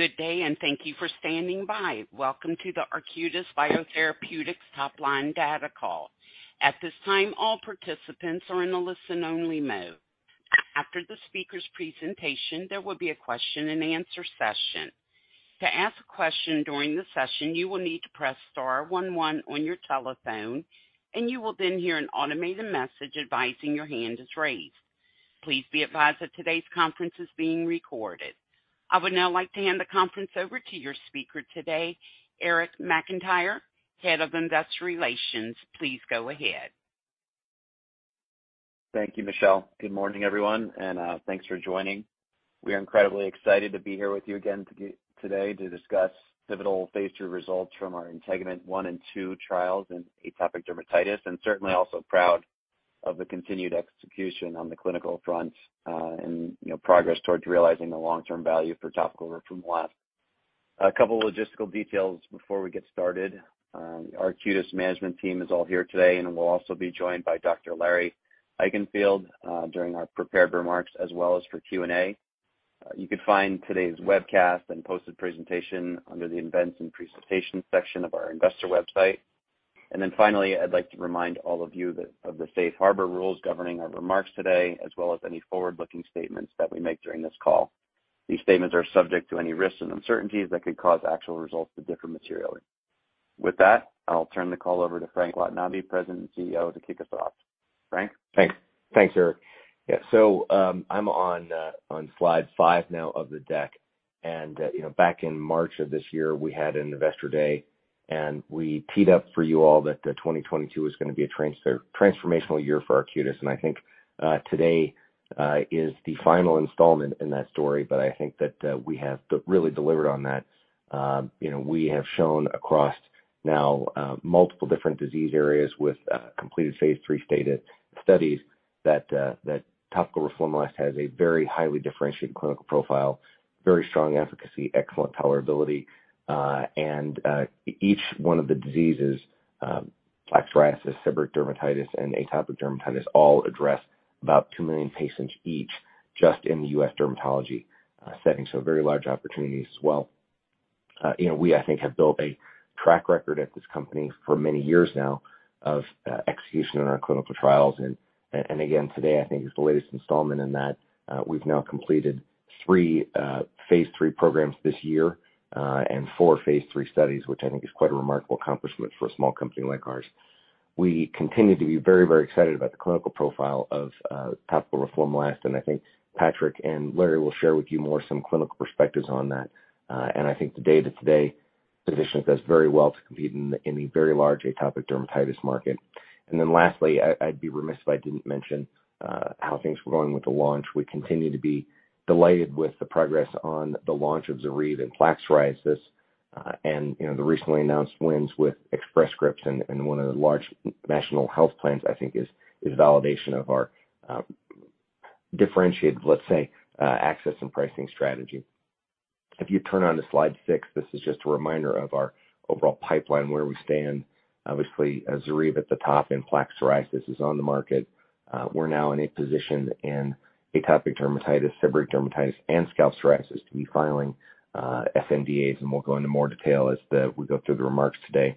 Good day, thank you for standing by. Welcome to the Arcutis Biotherapeutics top line data call. At this time, all participants are in a listen-only mode. After the speaker's presentation, there will be a question-and-answer session. To ask a question during the session, you will need to press star one one on your telephone, and you will then hear an automated message advising your hand is raised. Please be advised that today's conference is being recorded. I would now like to hand the conference over to your speaker today, Eric McIntyre, Head of Investor Relations. Please go ahead. Thank you, Michelle. Good morning, everyone, and thanks for joining. We are incredibly excited to be here with you again today to discuss pivotal phase II results from our INTEGUMENT-1 and -2 trials in atopic dermatitis, and certainly also proud of the continued execution on the clinical front, and, you know, progress towards realizing the long-term value for topical roflumilast. A couple logistical details before we get started. Arcutis management team is all here today, and we'll also be joined by Dr. Larry Eichenfield during our prepared remarks as well as for Q&A. You could find today's webcast and posted presentation under the Events and Presentation section of our investor website. Finally, I'd like to remind all of you of the safe harbor rules governing our remarks today, as well as any forward-looking statements that we make during this call. These statements are subject to any risks and uncertainties that could cause actual results to differ materially. With that, I'll turn the call over to Frank Watanabe, President and CEO, to kick us off. Frank? Thanks. Thanks, Eric. I'm on slide 5 now of the deck. Back in March of this year, we had an Investor Day, and we teed up for you all that 2022 is going to be a transformational year for Arcutis. I think today is the final installment in that story. I think that we have really delivered on that. You know, we have shown across now multiple different disease areas with completed phase III studies that topical roflumilast has a very highly differentiated clinical profile, very strong efficacy, excellent tolerability, and each one of the diseases, plaque psoriasis, seborrheic dermatitis, and atopic dermatitis all address about 2 million patients each just in the U.S. dermatology setting. Very large opportunities as well. You know, we, I think, have built a track record at this company for many years now of execution in our clinical trials. Again, today, I think, is the latest installment in that. We've now completed three phase III programs this year and four phase III studies, which I think is quite a remarkable accomplishment for a small company like ours. We continue to be very, very excited about the clinical profile of topical roflumilast, and I think Patrick and Larry will share with you more some clinical perspectives on that. I think the data today positions us very well to compete in the very large atopic dermatitis market. Then lastly, I'd be remiss if I didn't mention how things were going with the launch. We continue to be delighted with the progress on the launch of ZORYVE and plaque psoriasis. You know, the recently announced wins with Express Scripts and one of the large national health plans, I think is validation of our differentiated, let's say, access and pricing strategy. If you turn on to slide 6, this is just a reminder of our overall pipeline and where we stand. Obviously, ZORYVE at the top and plaque psoriasis is on the market. We're now in a position in atopic dermatitis, seborrheic dermatitis, and scalp psoriasis to be filing sNDAs, and we'll go into more detail as we go through the remarks today.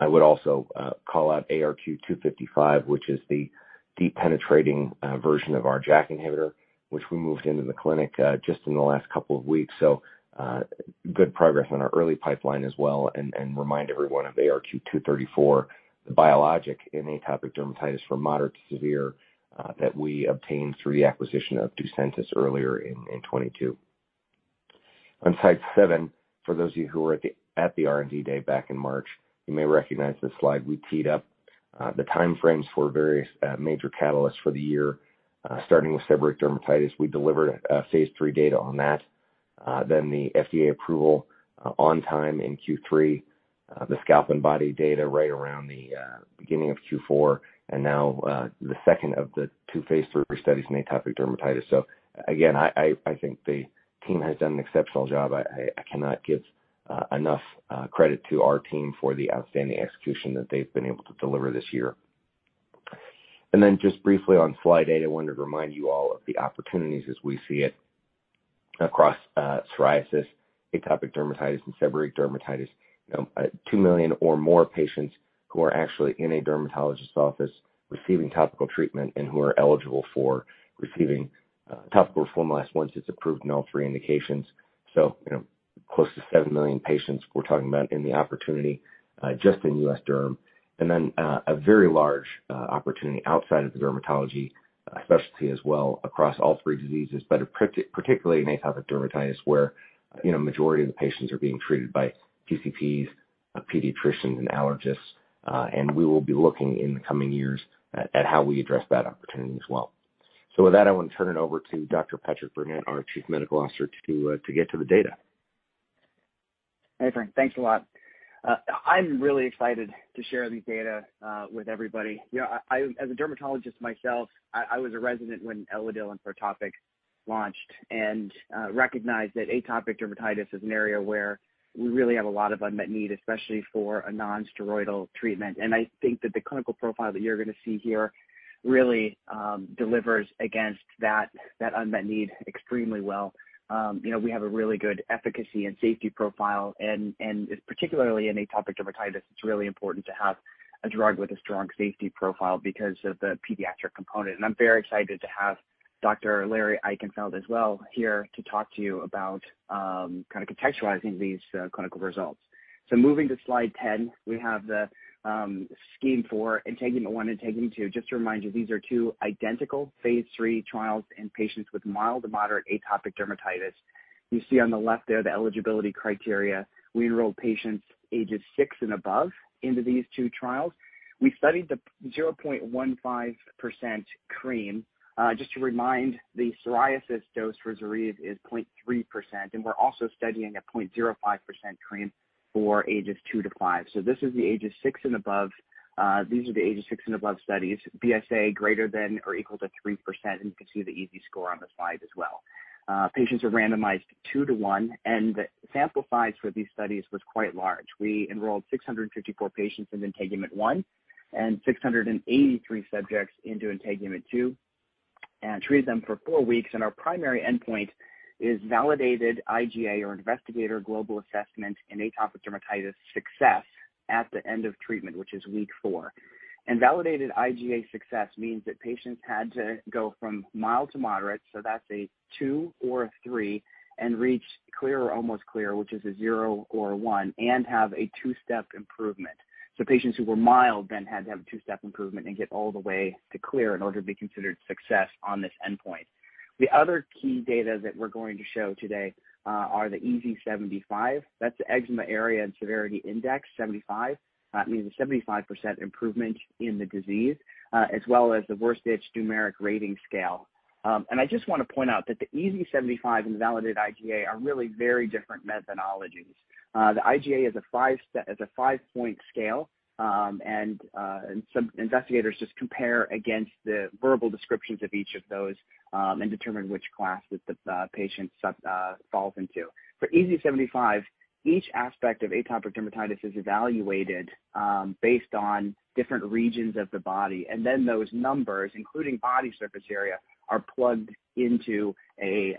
I would also call out ARQ-255, which is the deep penetrating version of our JAK inhibitor, which we moved into the clinic just in the last couple of weeks. Good progress on our early pipeline as well, and remind everyone of ARQ-234, the biologic in atopic dermatitis from moderate to severe that we obtained through the acquisition of Ducentis earlier in 2022. On slide 7, for those of you who were at the R&D day back in March, you may recognize this slide. We teed up the time frames for various major catalysts for the year, starting with seborrheic dermatitis. We delivered phase III data on that. The FDA approval on time in Q3, the scalp and body data right around the beginning of Q4, the second of the two phase III studies in atopic dermatitis. Again, I think the team has done an exceptional job. I cannot give enough credit to our team for the outstanding execution that they've been able to deliver this year. Just briefly on slide 8, I wanted to remind you all of the opportunities as we see it across psoriasis, atopic dermatitis, and seborrheic dermatitis. You know, 2 million or more patients who are actually in a dermatologist office receiving topical treatment and who are eligible for receiving topical roflumilast once it's approved in all three indications. You know, close to 7 million patients we're talking about in the opportunity, just in U.S. derm. A very large opportunity outside of the dermatology specialty as well across all three diseases, but particularly in atopic dermatitis where, you know, majority of the patients are being treated by PCPs, pediatricians, and allergists. we will be looking in the coming years at how we address that opportunity as well. With that, I want to turn it over to Dr. Patrick Burnett, our Chief Medical Officer, to get to the data. Hey, Frank. Thanks a lot. I'm really excited to share these data with everybody. You know, as a dermatologist myself, I was a resident when Elidel and Protopic. Launched and recognized that atopic dermatitis is an area where we really have a lot of unmet need, especially for a non-steroidal treatment. I think that the clinical profile that you're gonna see here really delivers against that unmet need extremely well. You know, we have a really good efficacy and safety profile and particularly in atopic dermatitis, it's really important to have a drug with a strong safety profile because of the pediatric component. I'm very excited to have Dr. Larry Eichenfield as well here to talk to you about kind of contextualizing these clinical results. Moving to slide 10, we have the scheme for INTEGUMENT-1 and INTEGUMENT-2. Just to remind you, these are two identical phase III trials in patients with mild to moderate atopic dermatitis. You see on the left there, the eligibility criteria. We enroll patients ages 6 and above into these two trials. We studied the 0.15% cream. Just to remind, the psoriasis dose for ZORYVE is 0.3%, we're also studying a 0.05% cream for ages 2-5. This is the ages 6 and above. These are the ages 6 and above studies, BSA greater than or equal to 3%, you can see the EASI score on the slide as well. Patients are randomized 2-1, the sample size for these studies was quite large. We enrolled 654 patients in INTEGUMENT-1 and 683 subjects into INTEGUMENT-2 and treated them for 4 weeks. Our primary endpoint is validated IGA or Investigator Global Assessment in atopic dermatitis success at the end of treatment, which is week 4. Validated IGA success means that patients had to go from mild to moderate, so that's a two or a three, and reach clear or almost clear, which is a zero or a one, and have a 2-step improvement. Patients who were mild then had to have a 2-step improvement and get all the way to clear in order to be considered success on this endpoint. The other key data that we're going to show today are the EASI-75. That's the Eczema Area and Severity Index 75. It means a 75% improvement in the disease, as well as the Worst Itch Numeric Rating Scale. I just wanna point out that the EASI-75 and the validated IGA are really very different methodologies. The IGA is a five-point scale, and some investigators just compare against the verbal descriptions of each of those and determine which classes the patient falls into. For EASI-75, each aspect of atopic dermatitis is evaluated based on different regions of the body, and then those numbers, including body surface area, are plugged into a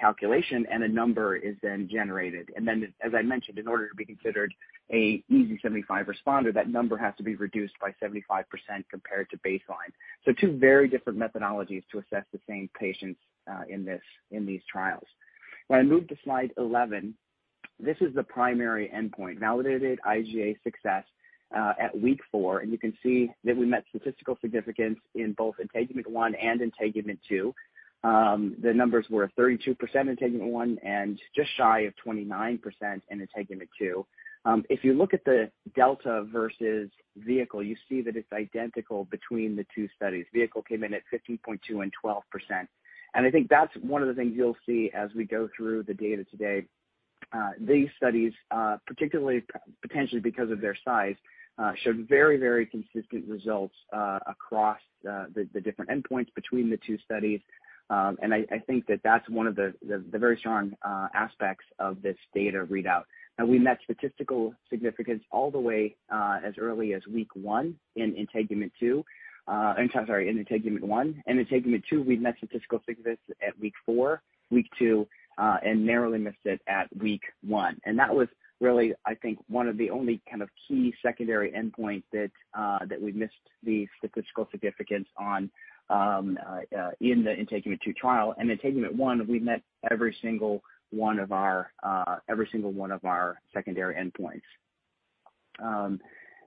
calculation, and a number is then generated. As I mentioned, in order to be considered a EASI-75 responder, that number has to be reduced by 75% compared to baseline. Two very different methodologies to assess the same patients in these trials. When I move to slide 11, this is the primary endpoint, validated IGA success, at week 4, you can see that we met statistical significance in both INTEGUMENT-1 and INTEGUMENT-2. The numbers were 32% in INTEGUMENT-1 and just shy of 29% in INTEGUMENT-2. If you look at the delta versus vehicle, you see that it's identical between the two studies. Vehicle came in at 15.2 and 12%. I think that's one of the things you'll see as we go through the data today. These studies, particularly potentially because of their size, showed very, very consistent results, across the different endpoints between the two studies. I think that that's one of the, the very strong aspects of this data readout. We met statistical significance all the way as early as week one in INTEGUMENT-2. I'm sorry, in INTEGUMENT-1. In INTEGUMENT-2, we met statistical significance at week 4, week 2, and narrowly missed it at week 1. That was really, I think, one of the only kind of key secondary endpoint that we missed the statistical significance on in the INTEGUMENT-2 trial. In INTEGUMENT-1, we met every single one of our secondary endpoints.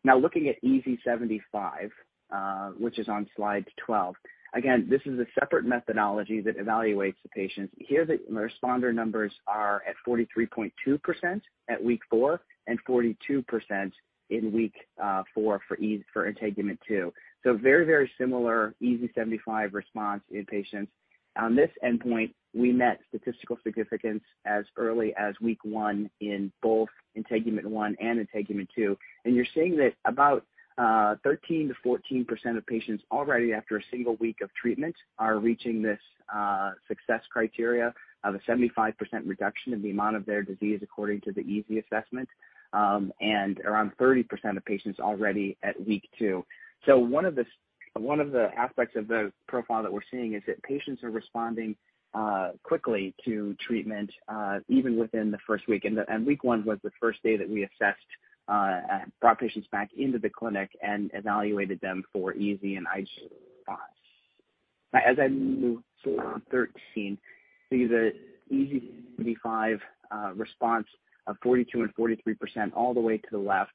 Now looking at EASI-75, which is on slide 12, again, this is a separate methodology that evaluates the patients. Here, the responder numbers are at 43.2% at week four and 42% in week four for INTEGUMENT-2. Very similar EASI-75 response in patients. On this endpoint, we met statistical significance as early as week 1 in both INTEGUMENT-1 and INTEGUMENT-2. You're seeing that about 13%-14% of patients already after a single week of treatment are reaching this success criteria of a 75% reduction in the amount of their disease according to the EASI assessment, and around 30% of patients already at week 2. One of the aspects of the profile that we're seeing is that patients are responding quickly to treatment, even within the first week. Week 1 was the first day that we assessed and brought patients back into the clinic and evaluated them for EASI and IGA. As I move to 13, see the EASI-75 response of 42% and 43% all the way to the left.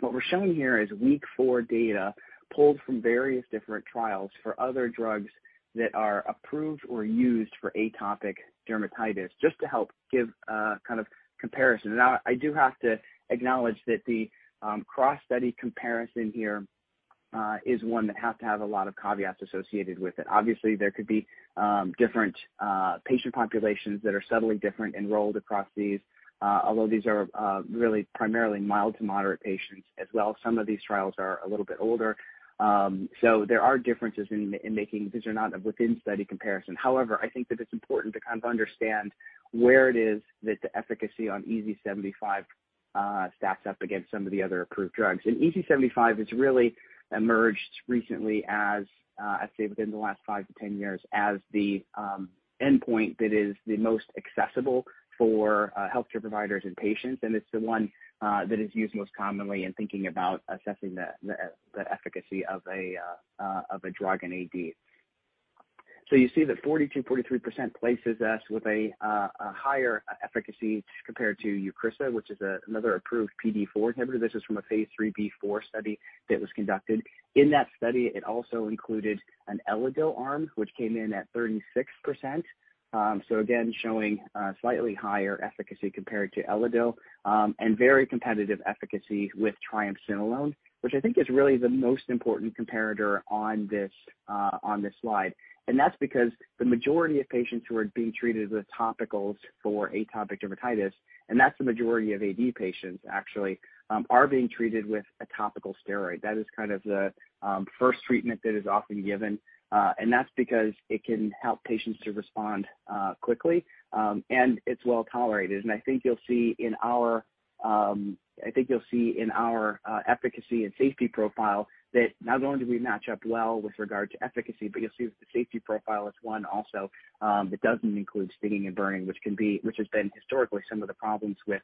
What we're showing here is week four data pulled from various different trials for other drugs that are approved or used for atopic dermatitis, just to help give a kind of comparison. I do have to acknowledge that the cross-study comparison here is one that has to have a lot of caveats associated with it. Obviously, there could be different patient populations that are subtly different enrolled across these, although these are really primarily mild to moderate patients as well. Some of these trials are a little bit older. So there are differences in making these are not a within study comparison. However, I think that it's important to kind of understand where it is that the efficacy on EASI-75 stacks up against some of the other approved drugs. EASI-75 has really emerged recently as, I'd say within the last 5-10 years, as the endpoint that is the most accessible for healthcare providers and patients. It's the one that is used most commonly in thinking about assessing the efficacy of a drug in AD. You see that 42-43% places us with a higher efficacy compared to EUCRISA, which is another approved PDE4 inhibitor. This is from a phase IIIB study that was conducted. In that study, it also included an Elidel arm, which came in at 36%. Again, showing slightly higher efficacy compared to Elidel, and very competitive efficacy with triamcinolone, which I think is really the most important comparator on this slide. That's because the majority of patients who are being treated with topicals for atopic dermatitis, and that's the majority of AD patients actually, are being treated with a topical steroid. That is kind of the first treatment that is often given, and that's because it can help patients to respond quickly, and it's well tolerated. I think you'll see in our efficacy and safety profile that not only do we match up well with regard to efficacy, but you'll see that the safety profile is one also, that doesn't include stinging and burning, which has been historically some of the problems with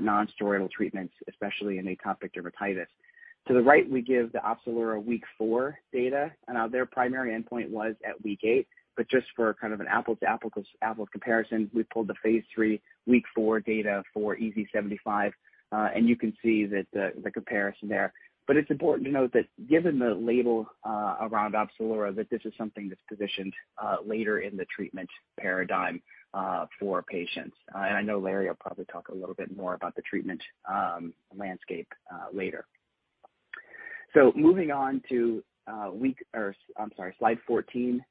non-steroidal treatments, especially in atopic dermatitis. To the right, we give the Opzelura week 4 data. Their primary endpoint was at week 8, just for kind of an apples to apple comparison, we pulled the phase III week 4 data for EASI-75, and you can see that the comparison there. It's important to note that given the label around Opzelura, that this is something that's positioned later in the treatment paradigm for patients. I know Larry will probably talk a little bit more about the treatment landscape later. Moving on to slide 14.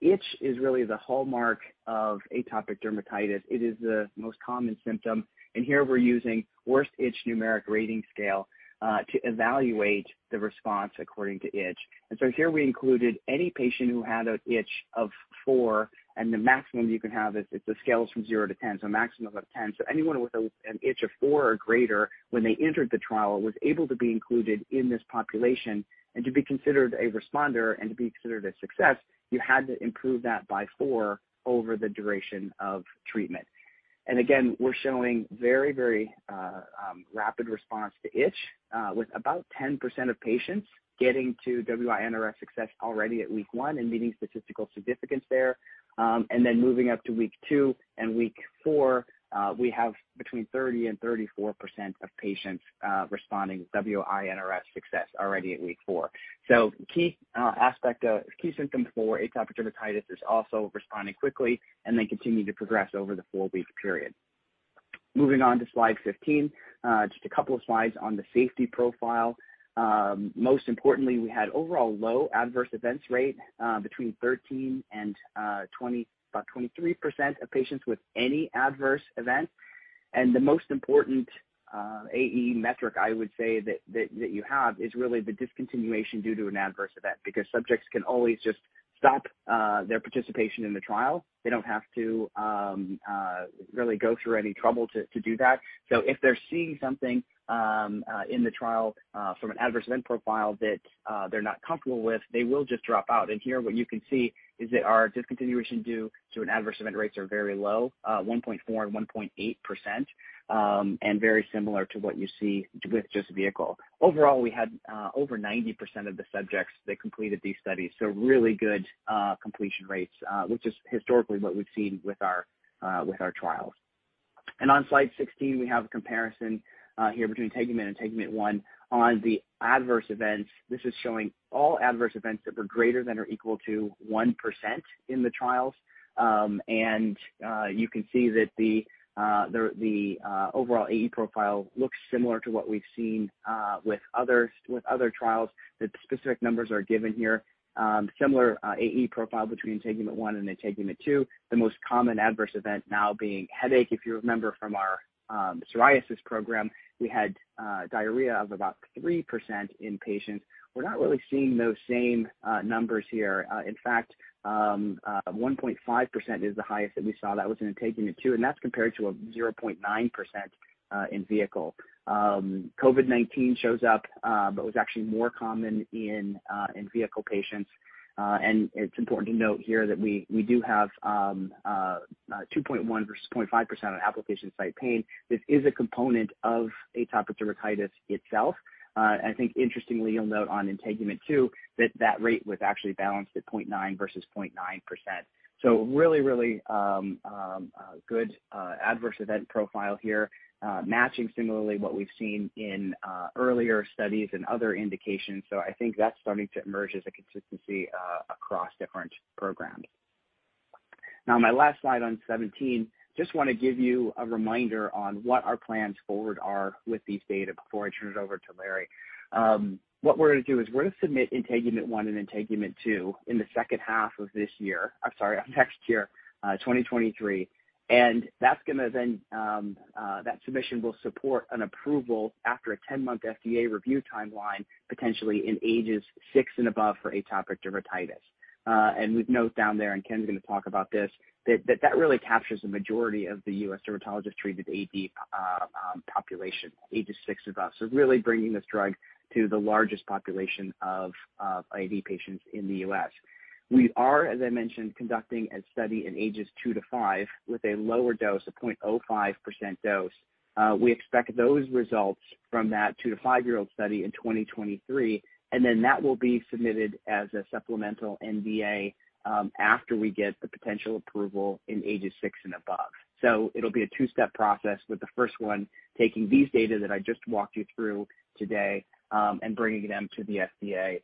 Itch is really the hallmark of atopic dermatitis. It is the most common symptom. Here we're using Worst Itch Numeric Rating Scale to evaluate the response according to itch. Here we included any patient who had an itch of four, and the maximum you can have is the scale is from 0-10, so a maximum of 10. Anyone with an itch of four or greater when they entered the trial was able to be included in this population. To be considered a responder and to be considered a success, you had to improve that by four over the duration of treatment. Again, we're showing very, very rapid response to itch, with about 10% of patients getting to WI-NRS success already at week 1 and meeting statistical significance there. Then moving up to week 2 and week 4, we have between 30% and 34% of patients responding WI-NRS success already at week 4. Key symptom for atopic dermatitis is also responding quickly, and they continue to progress over the 4-week period. Moving on to slide 15. Just a couple of slides on the safety profile. Most importantly, we had overall low adverse events rate between 13% and 23% of patients with any adverse event. The most important AE metric I would say that you have is really the discontinuation due to an adverse event because subjects can always just stop their participation in the trial. They don't have to really go through any trouble to do that. If they're seeing something in the trial from an adverse event profile that they're not comfortable with, they will just drop out. Here what you can see is that our discontinuation due to an adverse event rates are very low, 1.4% and 1.8%, and very similar to what you see with just vehicle. Overall, we had over 90% of the subjects that completed these studies. Really good completion rates, which is historically what we've seen with our trials. On slide 16, we have a comparison here between INTEGUMENT and INTEGUMENT-1. On the adverse events, this is showing all adverse events that were greater than or equal to 1% in the trials. You can see that the overall AE profile looks similar to what we've seen with others, with other trials, that the specific numbers are given here. Similar AE profile between INTEGUMENT-1 and INTEGUMENT-2. The most common adverse event now being headache. If you remember from our psoriasis program, we had diarrhea of about 3% in patients. We're not really seeing those same numbers here. In fact, 1.5% is the highest that we saw. That was in INTEGUMENT-2, that's compared to a 0.9% in vehicle. COVID-19 shows up, was actually more common in vehicle patients. It's important to note here that we do have 2.1% versus 0.5% on application site pain. This is a component of atopic dermatitis itself. I think interestingly, you'll note on INTEGUMENT-2 that rate was actually balanced at 0.9% versus 0.9%. Really good adverse event profile here, matching similarly what we've seen in earlier studies and other indications. I think that's starting to emerge as a consistency across different programs. My last slide on 17, just wanna give you a reminder on what our plans forward are with these data before I turn it over to Larry. What we're gonna do is we're gonna submit INTEGUMENT-1 and INTEGUMENT-2 in the second half of this year. I'm sorry, on next year, 2023. That's gonna then that submission will support an approval after a 10-month FDA review timeline, potentially in ages six and above for atopic dermatitis. We've note down there, and Ken's gonna talk about this, that really captures the majority of the U.S. dermatologist-treated AD population, ages six above. really bringing this drug to the largest population of AD patients in the U.S. We are, as I mentioned, conducting a study in ages 2-5 with a lower dose, a 0.05% dose. we expect those results from that 2-5-year-old study in 2023, and then that will be submitted as a supplemental NDA after we get the potential approval in ages 6 and above. It'll be a two-step process with the first one taking these data that I just walked you through today, and bringing them to the FDA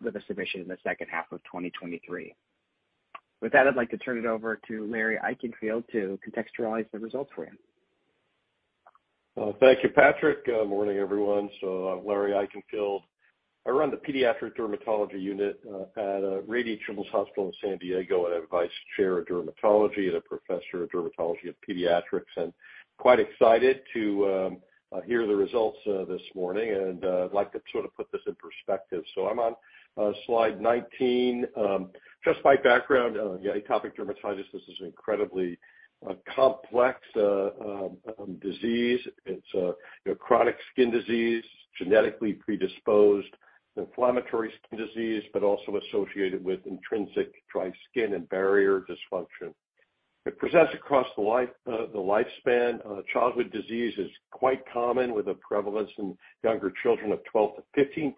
with a submission in the second half of 2023. With that, I'd like to turn it over to Larry Eichenfield to contextualize the results for you. Thank you, Patrick. Good morning, everyone. I'm Larry Eichenfield. I run the pediatric dermatology unit at Rady Children's Hospital in San Diego, and I'm Vice Chair of Dermatology and a Professor of Dermatology and Pediatrics. Quite excited to hear the results this morning, I'd like to sort of put this in perspective. I'm on slide 19. Just by background, yeah, atopic dermatitis, this is an incredibly complex disease. It's, you know, chronic skin disease, genetically predisposed inflammatory skin disease, but also associated with intrinsic dry skin and barrier dysfunction. It presents across the life, the lifespan. Childhood disease is quite common with a prevalence in younger children of 12%-15%.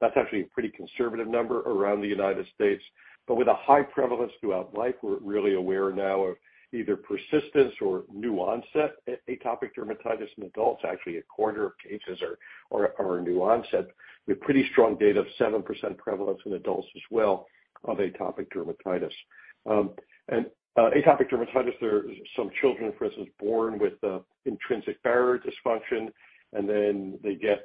That's actually a pretty conservative number around the United States. With a high prevalence throughout life, we're really aware now of either persistence or new onset atopic dermatitis in adults. Actually, a quarter of cases are new onset. We have pretty strong data of 7% prevalence in adults as well of atopic dermatitis. Atopic dermatitis, there are some children, for instance, born with intrinsic barrier dysfunction, and then they get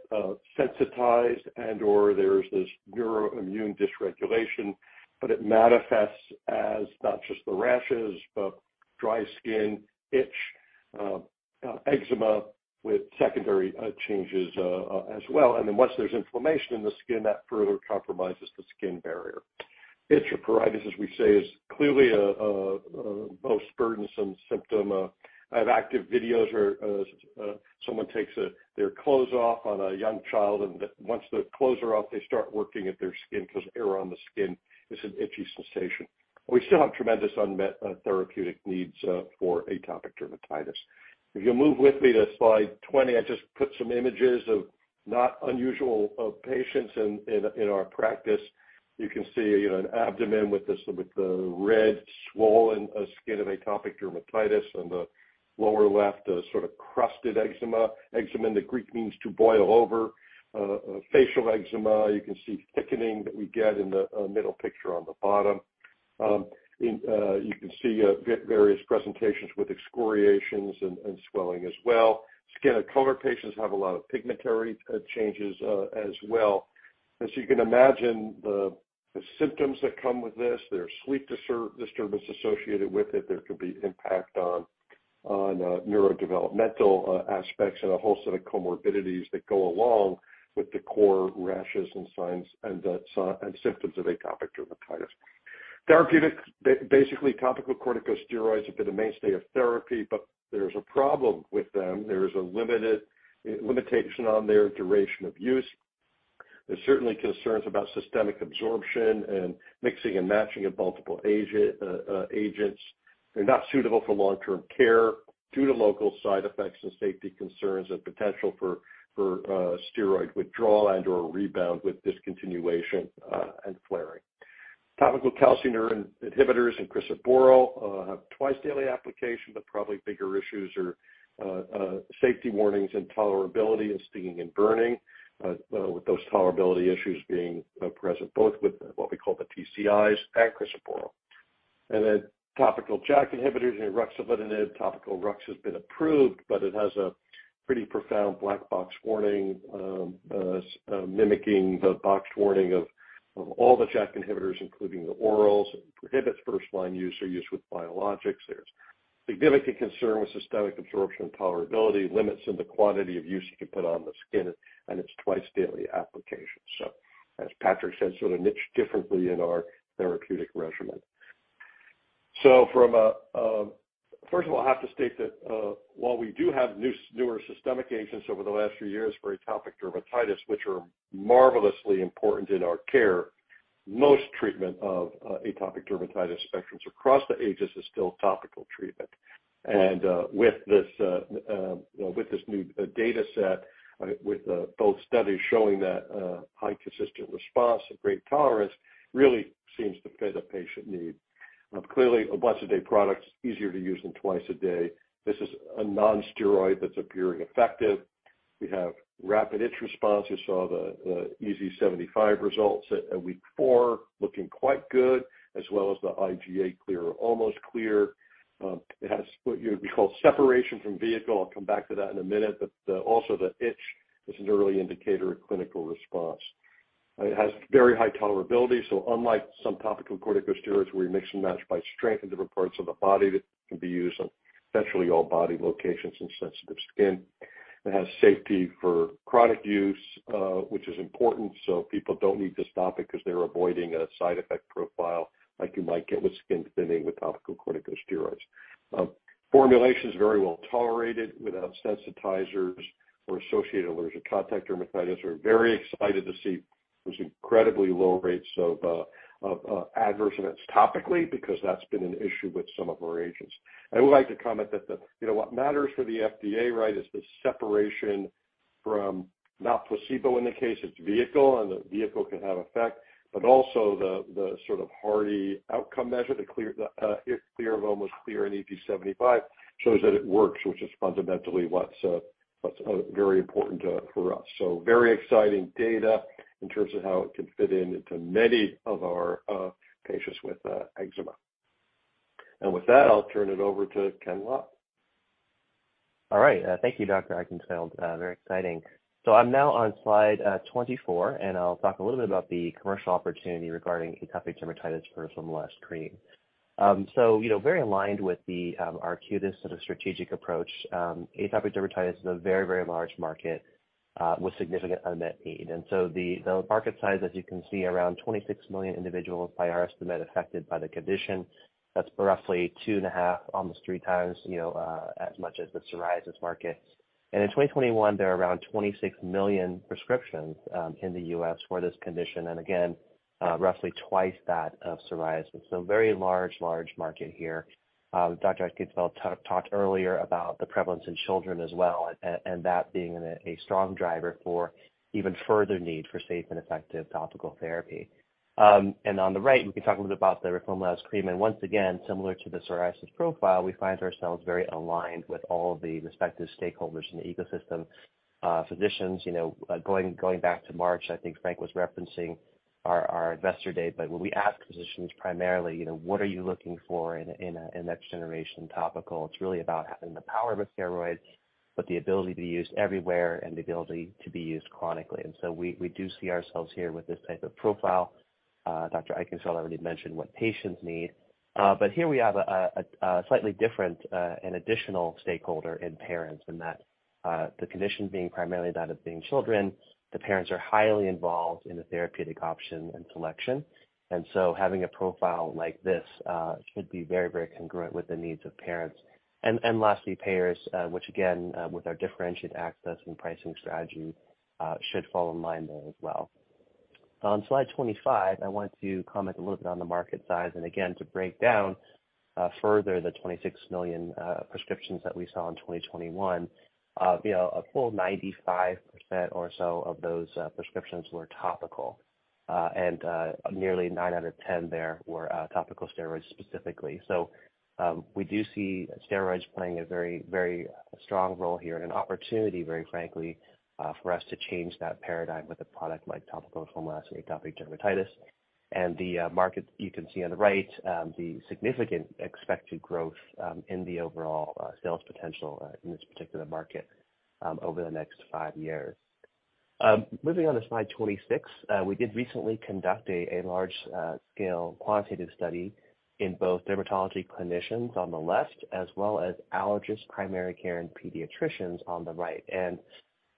sensitized and/or there's this neuroimmune dysregulation, but it manifests as not just the rashes, but dry skin, itch, eczema with secondary changes as well. Once there's inflammation in the skin, that further compromises the skin barrier. Itch or pruritus, as we say, is clearly a most burdensome symptom. I have active videos where someone takes their clothes off on a young child, once the clothes are off, they start working at their skin 'cause air on the skin is an itchy sensation. We still have tremendous unmet therapeutic needs for atopic dermatitis. If you'll move with me to slide 20, I just put some images of not unusual patients in our practice. You can see, you know, an abdomen with the red swollen skin of atopic dermatitis. On the lower left, a sort of crusted eczema. Eczema in the Greek means to boil over. Facial eczema, you can see thickening that we get in the middle picture on the bottom. You can see various presentations with excoriations and swelling as well. Skin of color patients have a lot of pigmentary changes as well. As you can imagine, the symptoms that come with this, there are sleep disturbance associated with it. There could be impact on neurodevelopmental aspects and a whole set of comorbidities that go along with the core rashes and signs and symptoms of atopic dermatitis. Therapeutics, basically topical corticosteroids have been a mainstay of therapy. There's a problem with them. There is a limited limitation on their duration of use. There's certainly concerns about systemic absorption and mixing and matching of multiple agents. They're not suitable for long-term care due to local side effects and safety concerns and potential for steroid withdrawal and/or rebound with discontinuation and flaring. Topical calcineurin inhibitors and crisaborole have twice-daily application. Probably bigger issues are safety warnings and tolerability and stinging and burning with those tolerability issues being present both with what we call the TCIs and crisaborole. Topical JAK inhibitors, you know, ruxolitinib, topical RUX has been approved. It has a pretty profound black box warning mimicking the box warning of all the JAK inhibitors, including the orals. It prohibits first-line use or use with biologics. There's significant concern with systemic absorption and tolerability, limits in the quantity of use you can put on the skin, and it's twice-daily application. As Patrick said, sort of niche differently in our therapeutic regimen. From a, first of all, I have to state that, while we do have newer systemic agents over the last few years for atopic dermatitis, which are marvelously important in our care, most treatment of atopic dermatitis spectrums across the ages is still topical treatment. With this, you know, with this new data set, with both studies showing that high consistent response and great tolerance really seems to fit a patient need. Clearly, once-a-day product's easier to use than twice a day. This is a non-steroid that's appearing effective. We have rapid itch response. You saw the EASI-75 results at week 4 looking quite good, as well as the IGA clear or almost clear. It has what you would call separation from vehicle. I'll come back to that in a minute, also the itch is an early indicator of clinical response. It has very high tolerability, unlike some topical corticosteroids where you mix and match by strength in different parts of the body, it can be used on essentially all body locations and sensitive skin. It has safety for chronic use, which is important, people don't need to stop it because they're avoiding a side effect profile like you might get with skin thinning with topical corticosteroids. Formulation is very well tolerated without sensitizers or associated allergic contact dermatitis. We're very excited to see those incredibly low rates of adverse events topically because that's been an issue with some of our agents. I would like to comment that the, you know, what matters for the FDA, right, is the separation from not placebo in the case, it's vehicle, and the vehicle can have effect, but also the sort of hardy outcome measure, the clear, the itch clear or almost clear in EASI-75 shows that it works, which is fundamentally what's very important for us. Very exciting data in terms of how it can fit in into many of our patients with eczema. With that, I'll turn it over to Ken Lock All right. Thank you, Dr. Eichenfield. Very exciting. I'm now on slide 24, and I'll talk a little bit about the commercial opportunity regarding atopic dermatitis for roflumilast cream. You know, very aligned with the our Arcutis sort of strategic approach, atopic dermatitis is a very, very large market with significant unmet need. The market size, as you can see, around 26 million individuals by our estimate affected by the condition. That's roughly 2.5, almost 3x, you know, as much as the psoriasis market. In 2021, there are around 26 million prescriptions in the U.S. for this condition, and again, roughly twice that of psoriasis. Very large market here. Dr. Eichenfield talked earlier about the prevalence in children as well, and that being a strong driver for even further need for safe and effective topical therapy. On the right, we can talk a little bit about the roflumilast cream and once again, similar to the psoriasis profile, we find ourselves very aligned with all the respective stakeholders in the ecosystem. Physicians, you know, going back to March, I think Frank was referencing our investor day. When we ask physicians primarily, you know, what are you looking for in a, in a, in next generation topical? It's really about having the power of a steroid, but the ability to be used everywhere and the ability to be used chronically. We do see ourselves here with this type of profile. Dr. Eichenfield already mentioned what patients need. Here we have a slightly different and additional stakeholder in parents in that the condition being primarily that of being children, the parents are highly involved in the therapeutic option and selection. So having a profile like this could be very, very congruent with the needs of parents. Lastly, payers, which again, with our differentiated access and pricing strategy, should fall in line there as well. On slide 25, I want to comment a little bit on the market size and again to break down further the 26 million prescriptions that we saw in 2021. You know, a full 95% or so of those prescriptions were topical, and nearly 9 out of 10 there were topical steroids specifically. We do see steroids playing a very, very strong role here and an opportunity for us to change that paradigm with a product like topical roflumilast in atopic dermatitis. The market you can see on the right, the significant expected growth in the overall sales potential in this particular market over the next 5 years. Moving on to slide 26, we did recently conduct a large scale quantitative study in both dermatology clinicians on the left, as well as allergist primary care and pediatricians on the right.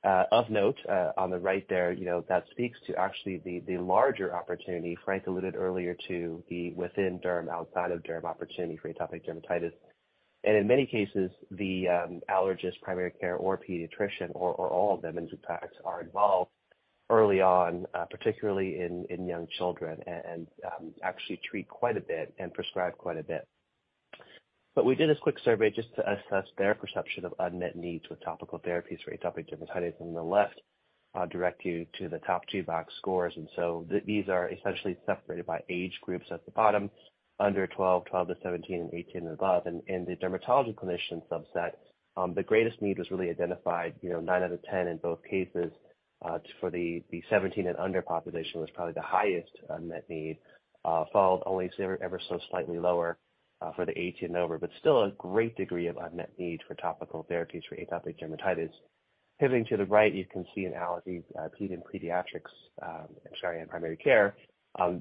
Of note, on the right there, you know, that speaks to actually the larger opportunity. Frank alluded earlier to the within derm, outside of derm opportunity for atopic dermatitis. In many cases, the allergist primary care or pediatrician or all of them in some parts are involved early on, particularly in young children and actually treat quite a bit and prescribe quite a bit. We did a quick survey just to assess their perception of unmet needs with topical therapies for atopic dermatitis on the left. I'll direct you to the top two box scores. These are essentially separated by age groups at the bottom, under 12 to 17, and 18 and above. In the dermatology clinician subset, the greatest need was really identified, you know, nine out of 10 in both cases. For the 17 and under population was probably the highest unmet need, followed only ever so slightly lower, for the 18 and over, but still a great degree of unmet need for topical therapies for atopic dermatitis. Pivoting to the right, you can see an allergy, pediatrics, I'm sorry, and primary care.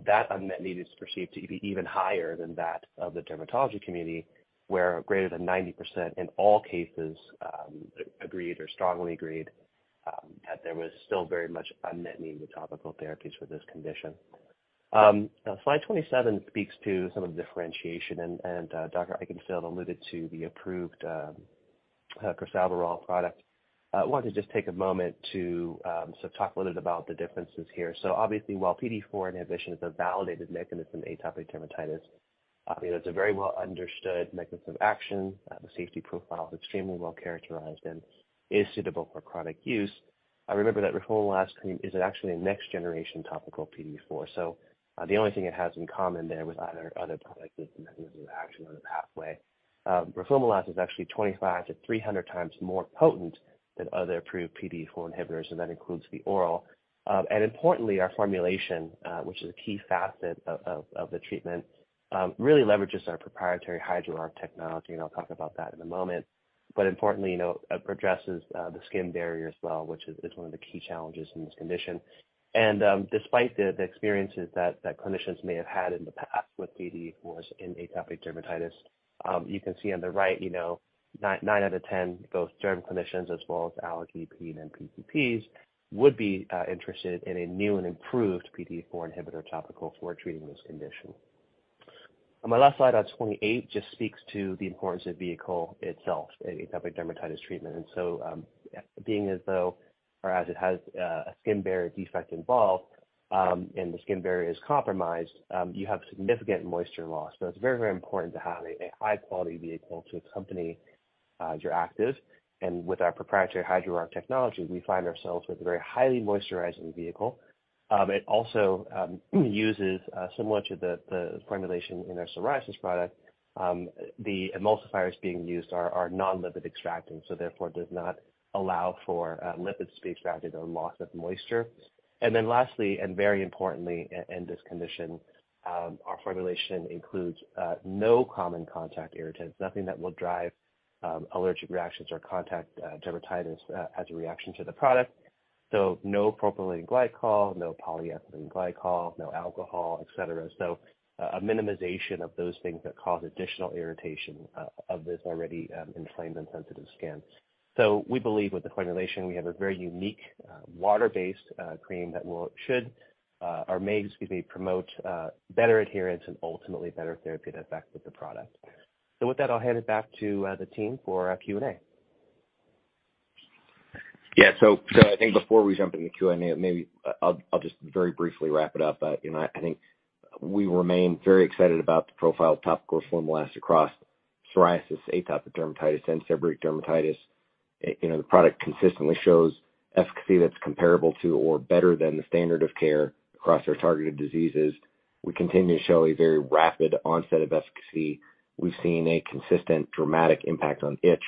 That unmet need is perceived to be even higher than that of the dermatology community, where greater than 90% in all cases, agreed or strongly agreed, that there was still very much unmet need with topical therapies for this condition. Slide 27 speaks to some of the differentiation and Dr. Eichenfield alluded to the approved crisaborole product. I want to just take a moment to so talk a little bit about the differences here. Obviously, while PDE4 inhibition is a validated mechanism in atopic dermatitis, you know, it's a very well understood mechanism of action. The safety profile is extremely well characterized and is suitable for chronic use. Now remember that roflumilast cream is actually a next generation topical PDE4. The only thing it has in common there with either other products is the mechanism of action or the pathway. Roflumilast is actually 25x-300x more potent than other approved PDE4 inhibitors, and that includes the oral. Importantly, our formulation, which is a key facet of the treatment, really leverages our proprietary HydroARQ Technology, and I'll talk about that in a moment. Importantly, you know, it addresses the skin barrier as well, which is one of the key challenges in this condition. Despite the experiences that clinicians may have had in the past with PDE4s in atopic dermatitis, you can see on the right, you know, 9 out of 10, both derm clinicians as well as allergy, peds, and PCPs would be interested in a new and improved PDE4 inhibitor topical for treating this condition. On my last slide, on 28, just speaks to the importance of vehicle itself in atopic dermatitis treatment. Being as though or as it has a skin barrier defect involved, and the skin barrier is compromised, you have significant moisture loss. It's very, very important to have a high quality vehicle to accompany your actives. With our proprietary HydroARQ Technology, we find ourselves with a very highly moisturizing vehicle. It also uses similar to the formulation in our psoriasis product, the emulsifiers being used are non-lipid extracting, so therefore does not allow for lipids to be extracted or loss of moisture. Lastly, and very importantly in this condition, our formulation includes no common contact irritants, nothing that will drive allergic reactions or contact dermatitis as a reaction to the product. No propylene glycol, no polyethylene glycol, no alcohol, et cetera. A minimization of those things that cause additional irritation of this already inflamed and sensitive skin. We believe with the formulation, we have a very unique water-based cream that will, should, or may, excuse me, promote better adherence and ultimately better therapeutic effect with the product. With that, I'll hand it back to the team for our Q&A. Yeah. I think before we jump into Q&A, maybe I'll just very briefly wrap it up. You know, I think we remain very excited about the profile of topical roflumilast across psoriasis, atopic dermatitis, and seborrheic dermatitis. You know, the product consistently shows efficacy that's comparable to or better than the standard of care across our targeted diseases. We continue to show a very rapid onset of efficacy. We've seen a consistent dramatic impact on itch.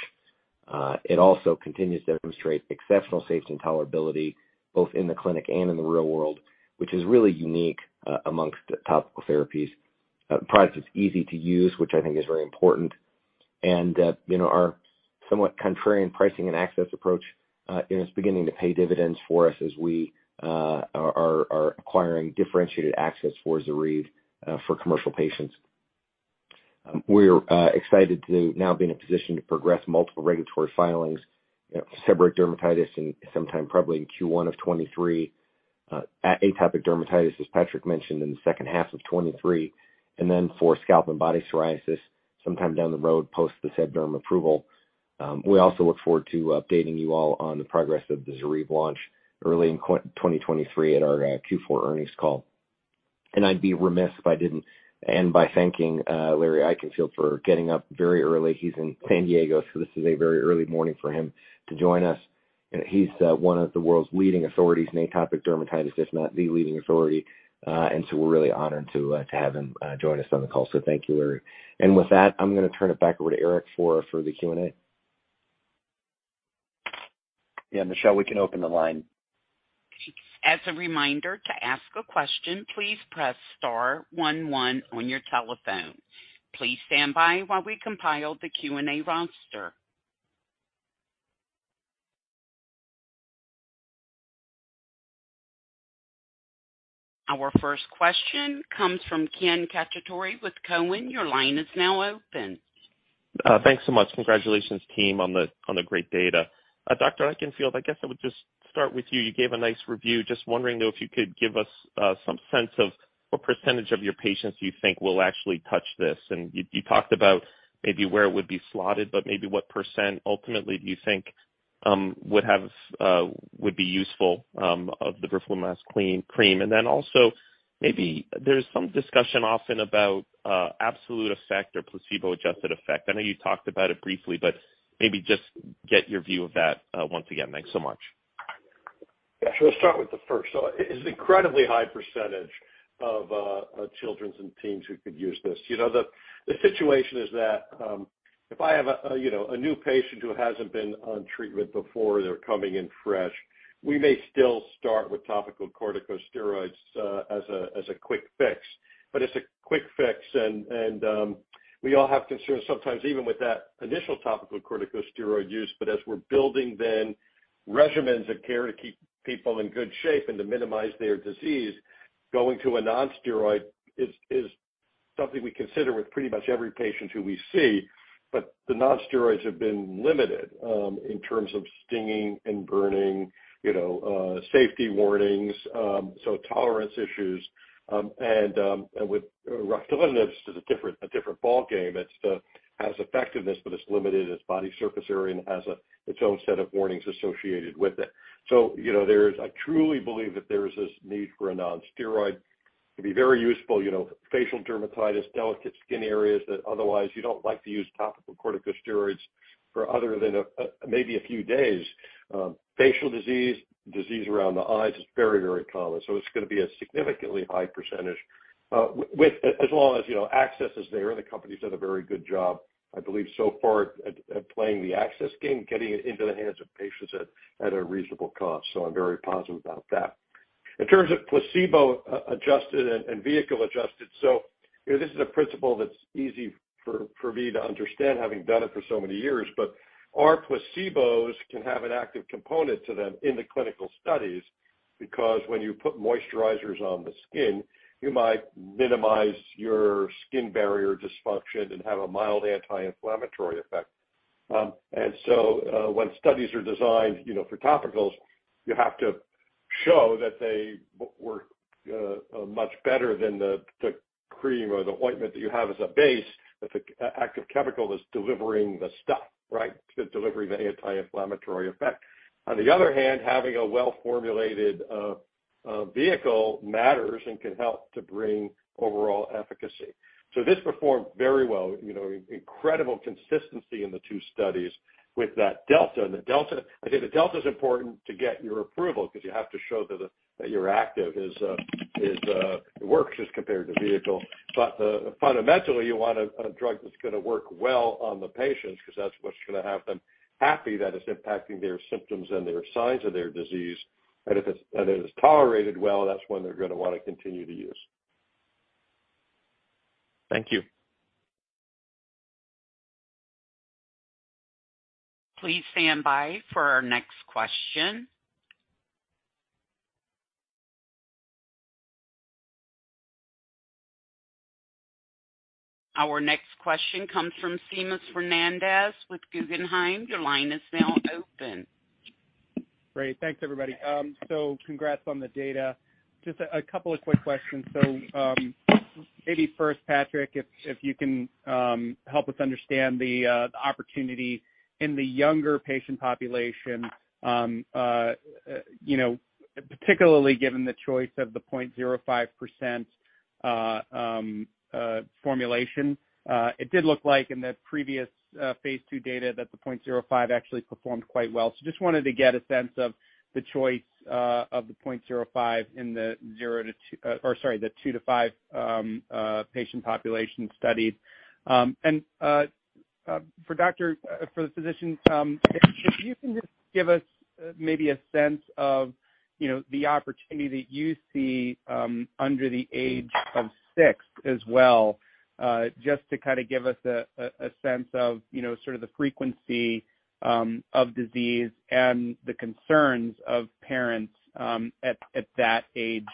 It also continues to demonstrate exceptional safety and tolerability both in the clinic and in the real world, which is really unique amongst topical therapies. The product is easy to use, which I think is very important. You know, our somewhat contrarian pricing and access approach is beginning to pay dividends for us as we are acquiring differentiated access for ZORYVE for commercial patients. We're excited to now be in a position to progress multiple regulatory filings, you know, seborrheic dermatitis in sometime probably in Q1 of 2023, atopic dermatitis, as Patrick mentioned, in the second half of 2023, and then for scalp and body psoriasis sometime down the road post the seb derm approval. We also look forward to updating you all on the progress of the ZORYVE launch early in 2023 at our Q4 earnings call. I'd be remiss if I didn't end by thanking Larry Eichenfield for getting up very early. He's in San Diego, so this is a very early morning for him to join us. He's one of the world's leading authorities in atopic dermatitis, if not the leading authority. We're really honored to have him join us on the call. Thank you, Larry. With that, I'm gonna turn it back over to Eric for the Q&A. Michelle, we can open the line. As a reminder, to ask a question, please press star one one on your telephone. Please stand by while we compile the Q&A roster. Our first question comes from Ken Cacciatore with Cowen. Your line is now open. Thanks so much. Congratulations team on the great data. Dr. Eichenfield, I guess I would just start with you. You gave a nice review. Just wondering, though, if you could give us some sense of what % of your patients you think will actually touch this. You talked about maybe where it would be slotted, but maybe what % ultimately do you think would have would be useful of the roflumilast cream? Also maybe there's some discussion often about absolute effect or placebo-adjusted effect. I know you talked about it briefly, but maybe just get your view of that once again. Thanks so much. Yeah. Let's start with the first. It is an incredibly high percentage of, children and teens who could use this. You know, the situation is that, if I have a, you know, a new patient who hasn't been on treatment before, they're coming in fresh, we may still start with topical corticosteroids, as a quick fix. It's a quick fix and, we all have concerns sometimes even with that initial topical corticosteroid use. As we're building then regimens of care to keep people in good shape and to minimize their disease, going to a non-steroid is something we consider with pretty much every patient who we see. The non-steroids have been limited, in terms of stinging and burning, you know, safety warnings, so tolerance issues. With Rocaltrol, it's just a different ballgame. It's has effectiveness, but it's limited, and its body surface area, and has its own set of warnings associated with it. You know, I truly believe that there is this need for a non-steroid It'd be very useful, you know, facial dermatitis, delicate skin areas that otherwise you don't like to use topical corticosteroids for other than a few days. Facial disease around the eyes is very, very common, so it's gonna be a significantly high %. As long as, you know, access is there, the company's done a very good job, I believe so far at playing the access game, getting it into the hands of patients at a reasonable cost. I'm very positive about that. In terms of placebo adjusted and vehicle adjusted, you know, this is a principle that's easy for me to understand having done it for so many years. Our placebos can have an active component to them in the clinical studies, because when you put moisturizers on the skin, you might minimize your skin barrier dysfunction and have a mild anti-inflammatory effect. When studies are designed, you know, for topicals, you have to show that they were much better than the cream or the ointment that you have as a base, that the active chemical is delivering the stuff, right? Delivering the anti-inflammatory effect. On the other hand, having a well-formulated vehicle matters and can help to bring overall efficacy. This performed very well, you know, incredible consistency in the two studies with that delta. The delta, I say the delta's important to get your approval because you have to show that your active is works as compared to vehicle. Fundamentally, you want a drug that's gonna work well on the patients because that's what's gonna have them happy that it's impacting their symptoms and their signs of their disease. If it is tolerated well, that's when they're gonna wanna continue to use. Thank you. Please stand by for our next question. Our next question comes from Seamus Fernandez with Guggenheim. Your line is now open. Great. Thanks everybody. Congrats on the data. Just a couple of quick questions. Maybe first, Patrick, if you can, help us understand the opportunity in the younger patient population, you know, particularly given the choice of the 0.05% formulation. It did look like in the previous phase II data that the 0.05 actually performed quite well. Just wanted to get a sense of the choice of the 0.05 in the 0-2 or sorry, the 2-5 patient population studied. For doctor, for the physicians, if you can just give us maybe a sense of, you know, the opportunity that you see under the age of 6 as well, just to kind of give us a sense of, you know, sort of the frequency of disease and the concerns of parents at that age,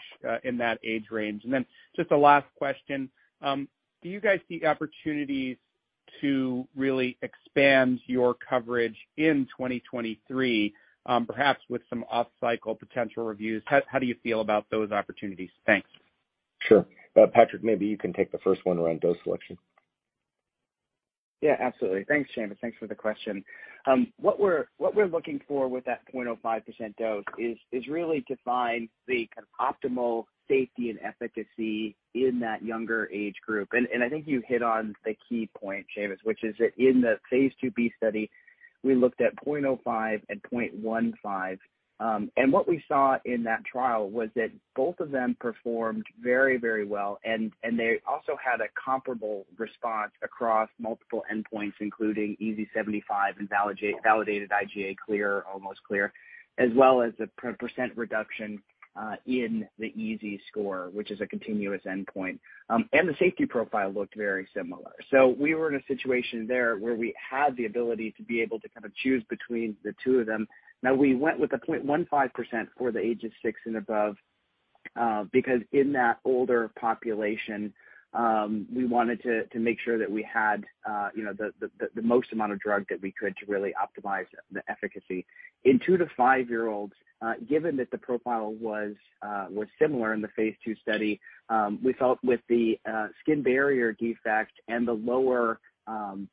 in that age range. Just a last question. Do you guys see opportunities to really expand your coverage in 2023, perhaps with some off-cycle potential reviews? How do you feel about those opportunities? Thanks. Sure. Patrick, maybe you can take the first one around dose selection. Yeah, absolutely. Thanks, Seamus. Thanks for the question. What we're looking for with that 0.05% dose is really to find the kind of optimal safety and efficacy in that younger age group. I think you hit on the key point, Seamus, which is that in the Phase IIB study, we looked at 0.05 and 0.15. What we saw in that trial was that both of them performed very, very well. They also had a comparable response across multiple endpoints, including EASI-75 and validated IGA clear or almost clear, as well as the percent reduction in the EASI score, which is a continuous endpoint. The safety profile looked very similar. We were in a situation there where we had the ability to be able to kind of choose between the two of them. Now, we went with the 0.15% for the age of 6 and above because in that older population, we wanted to make sure that we had, you know, the most amount of drug that we could to really optimize the efficacy. In 2-5-year-olds, given that the profile was similar in the phase II study, we felt with the skin barrier defect and the lower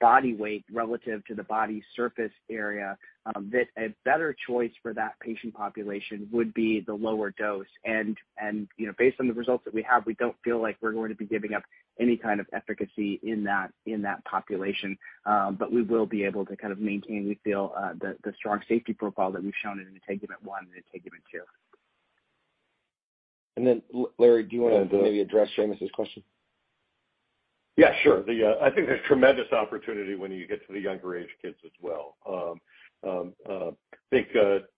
body weight relative to the body surface area, that a better choice for that patient population would be the lower dose. You know, based on the results that we have, we don't feel like we're going to be giving up any kind of efficacy in that, in that population. We will be able to kind of maintain, we feel, the strong safety profile that we've shown in INTEGUMENT-1 and INTEGUMENT-2. Larry, do you wanna maybe address Seamus's question? Yeah, sure. I think there's tremendous opportunity when you get to the younger age kids as well. I think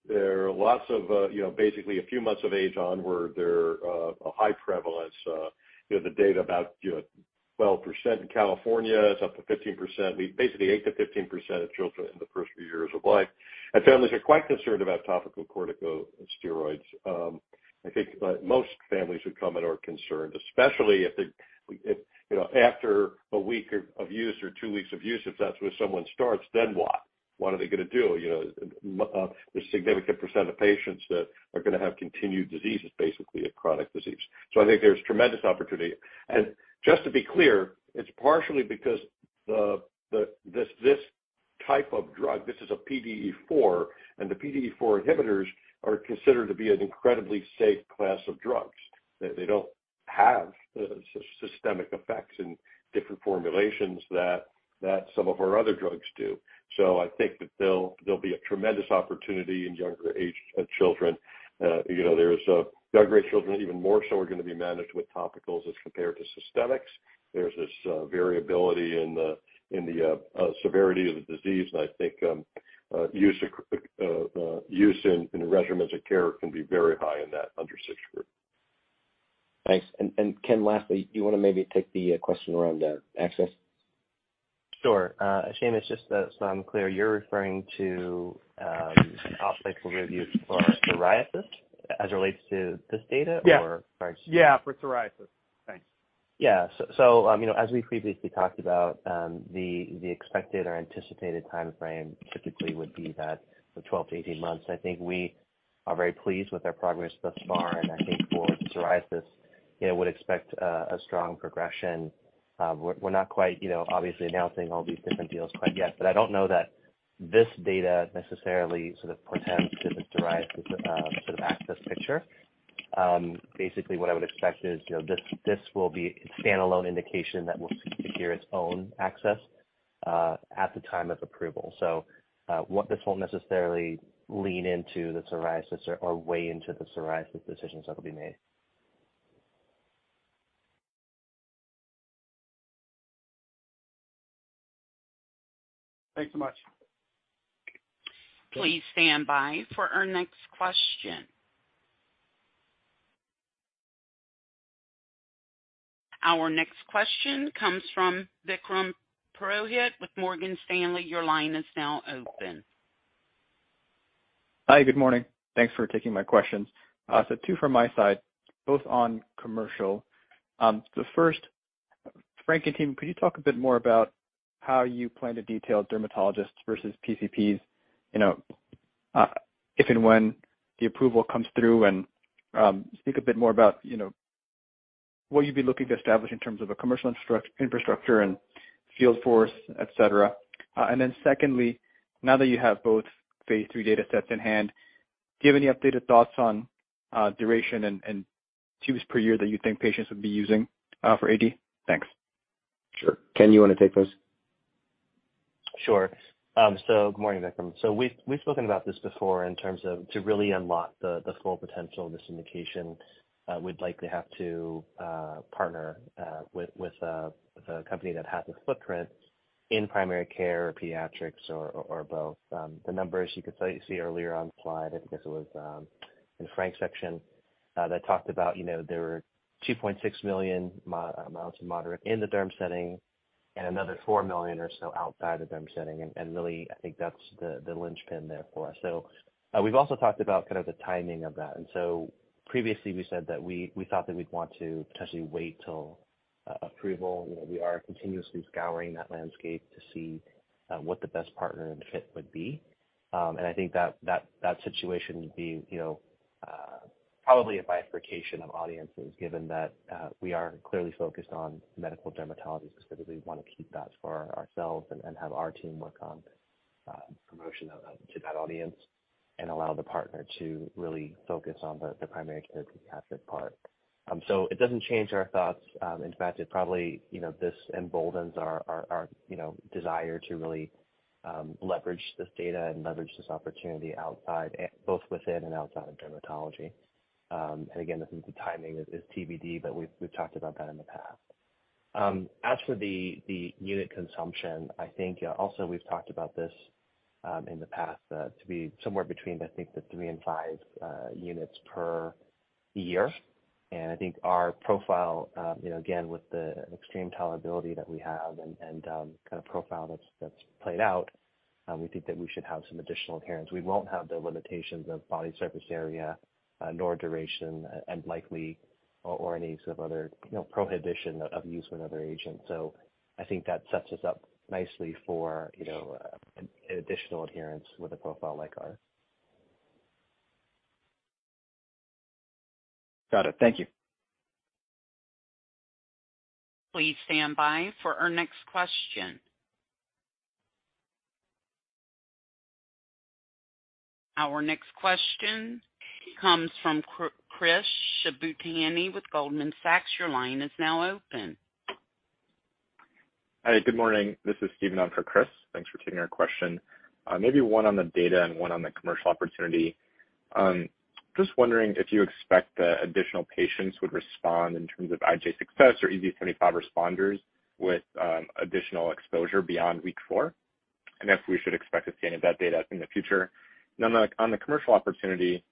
there are lots of, you know, basically a few months of age onward, they're a high prevalence. You know, the data about, you know, 12% in California is up to 15%. Basically 8%-15% of children in the first few years of life. Families are quite concerned about topical corticosteroids. I think most families who come in are concerned, especially if, you know, after 1 week of use or 2 weeks of use, if that's where someone starts, then what? What are they gonna do? You know, there's significant percent of patients that are gonna have continued diseases, basically a chronic disease. I think there's tremendous opportunity. Just to be clear, it's partially because the this. Type of drug. This is a PDE4, and the PDE4 inhibitors are considered to be an incredibly safe class of drugs. They don't have systemic effects in different formulations that some of our other drugs do. I think that there'll be a tremendous opportunity in younger age children. You know, there's younger age children even more so are gonna be managed with topicals as compared to systemics. There's this variability in the severity of the disease. I think use of use in regimens of care can be very high in that under six group. Thanks. Ken, lastly, do you wanna maybe take the question around access? Sure. Seamus, it's just so I'm clear, you're referring to, an topical review for psoriasis as it relates to this data or... Yeah. Sorry. Yeah, for psoriasis. Thanks. You know, as we previously talked about, the expected or anticipated timeframe typically would be that of 12 to 18 months. I think we are very pleased with our progress thus far. I think for psoriasis, you know, would expect a strong progression. We're not quite, you know, obviously announcing all these different deals quite yet, but I don't know that this data necessarily sort of portends to the psoriasis sort of access picture. Basically what I would expect is, you know, this will be a standalone indication that will secure its own access at the time of approval. What this won't necessarily lean into the psoriasis or weigh into the psoriasis decisions that will be made. Thanks so much. Please stand by for our next question. Our next question comes from Vikram Purohit with Morgan Stanley. Your line is now open. Hi. Good morning. Thanks for taking my questions. Two from my side, both on commercial. The first, Frank and team, could you talk a bit more about how you plan to detail dermatologists versus PCPs, you know, if and when the approval comes through? Speak a bit more about, you know, what you'd be looking to establish in terms of a commercial infrastructure and field force, et cetera. Secondly, now that you have both phase III data sets in hand, do you have any updated thoughts on, duration and tubes per year that you think patients would be using, for AD? Thanks. Sure. Ken, you wanna take those? Sure. Good morning, Vikram. We've spoken about this before in terms of to really unlock the full potential of this indication, we'd likely have to partner with a company that has a footprint in primary care, pediatrics or both. The numbers you see earlier on the slide, I think this was in Frank's section that talked about, you know, there were 2.6 million mild to moderate in the derm setting and another 4 million or so outside the derm setting. Really I think that's the linchpin there for us. We've also talked about kind of the timing of that. Previously we said that we thought that we'd want to potentially wait till approval. You know, we are continuously scouring that landscape to see what the best partner and fit would be. I think that situation would be, you know, probably a bifurcation of audiences given that we are clearly focused on medical dermatology specifically. We wanna keep that for ourselves and have our team work on promotion of that to that audience and allow the partner to really focus on the primary care capacity part. It doesn't change our thoughts. In fact, it probably, you know, this emboldens our, you know, desire to really leverage this data and leverage this opportunity outside and both within and outside of dermatology. Again, I think the timing is TBD, we've talked about that in the past. As for the unit consumption, I think also we've talked about this in the past, to be somewhere between, I think the three and five units per year. I think our profile, you know, again, with the extreme tolerability that we have and kind of profile that's played out, we think that we should have some additional adherence. We won't have the limitations of body surface area, nor duration and likely or any sort of other, you know, prohibition of use with another agent. I think that sets us up nicely for, you know, an additional adherence with a profile like ours. Got it. Thank you. Please stand by for our next question. Our next question comes from Chris Shibutani with Goldman Sachs. Your line is now open. Hi, good morning. This is Steven on for Chris. Thanks for taking our question. Maybe one on the data and one on the commercial opportunity. Just wondering if you expect that additional patients would respond in terms of IGA success or EASI-75 responders with additional exposure beyond week 4, and if we should expect to see any of that data in the future. On the commercial opportunity,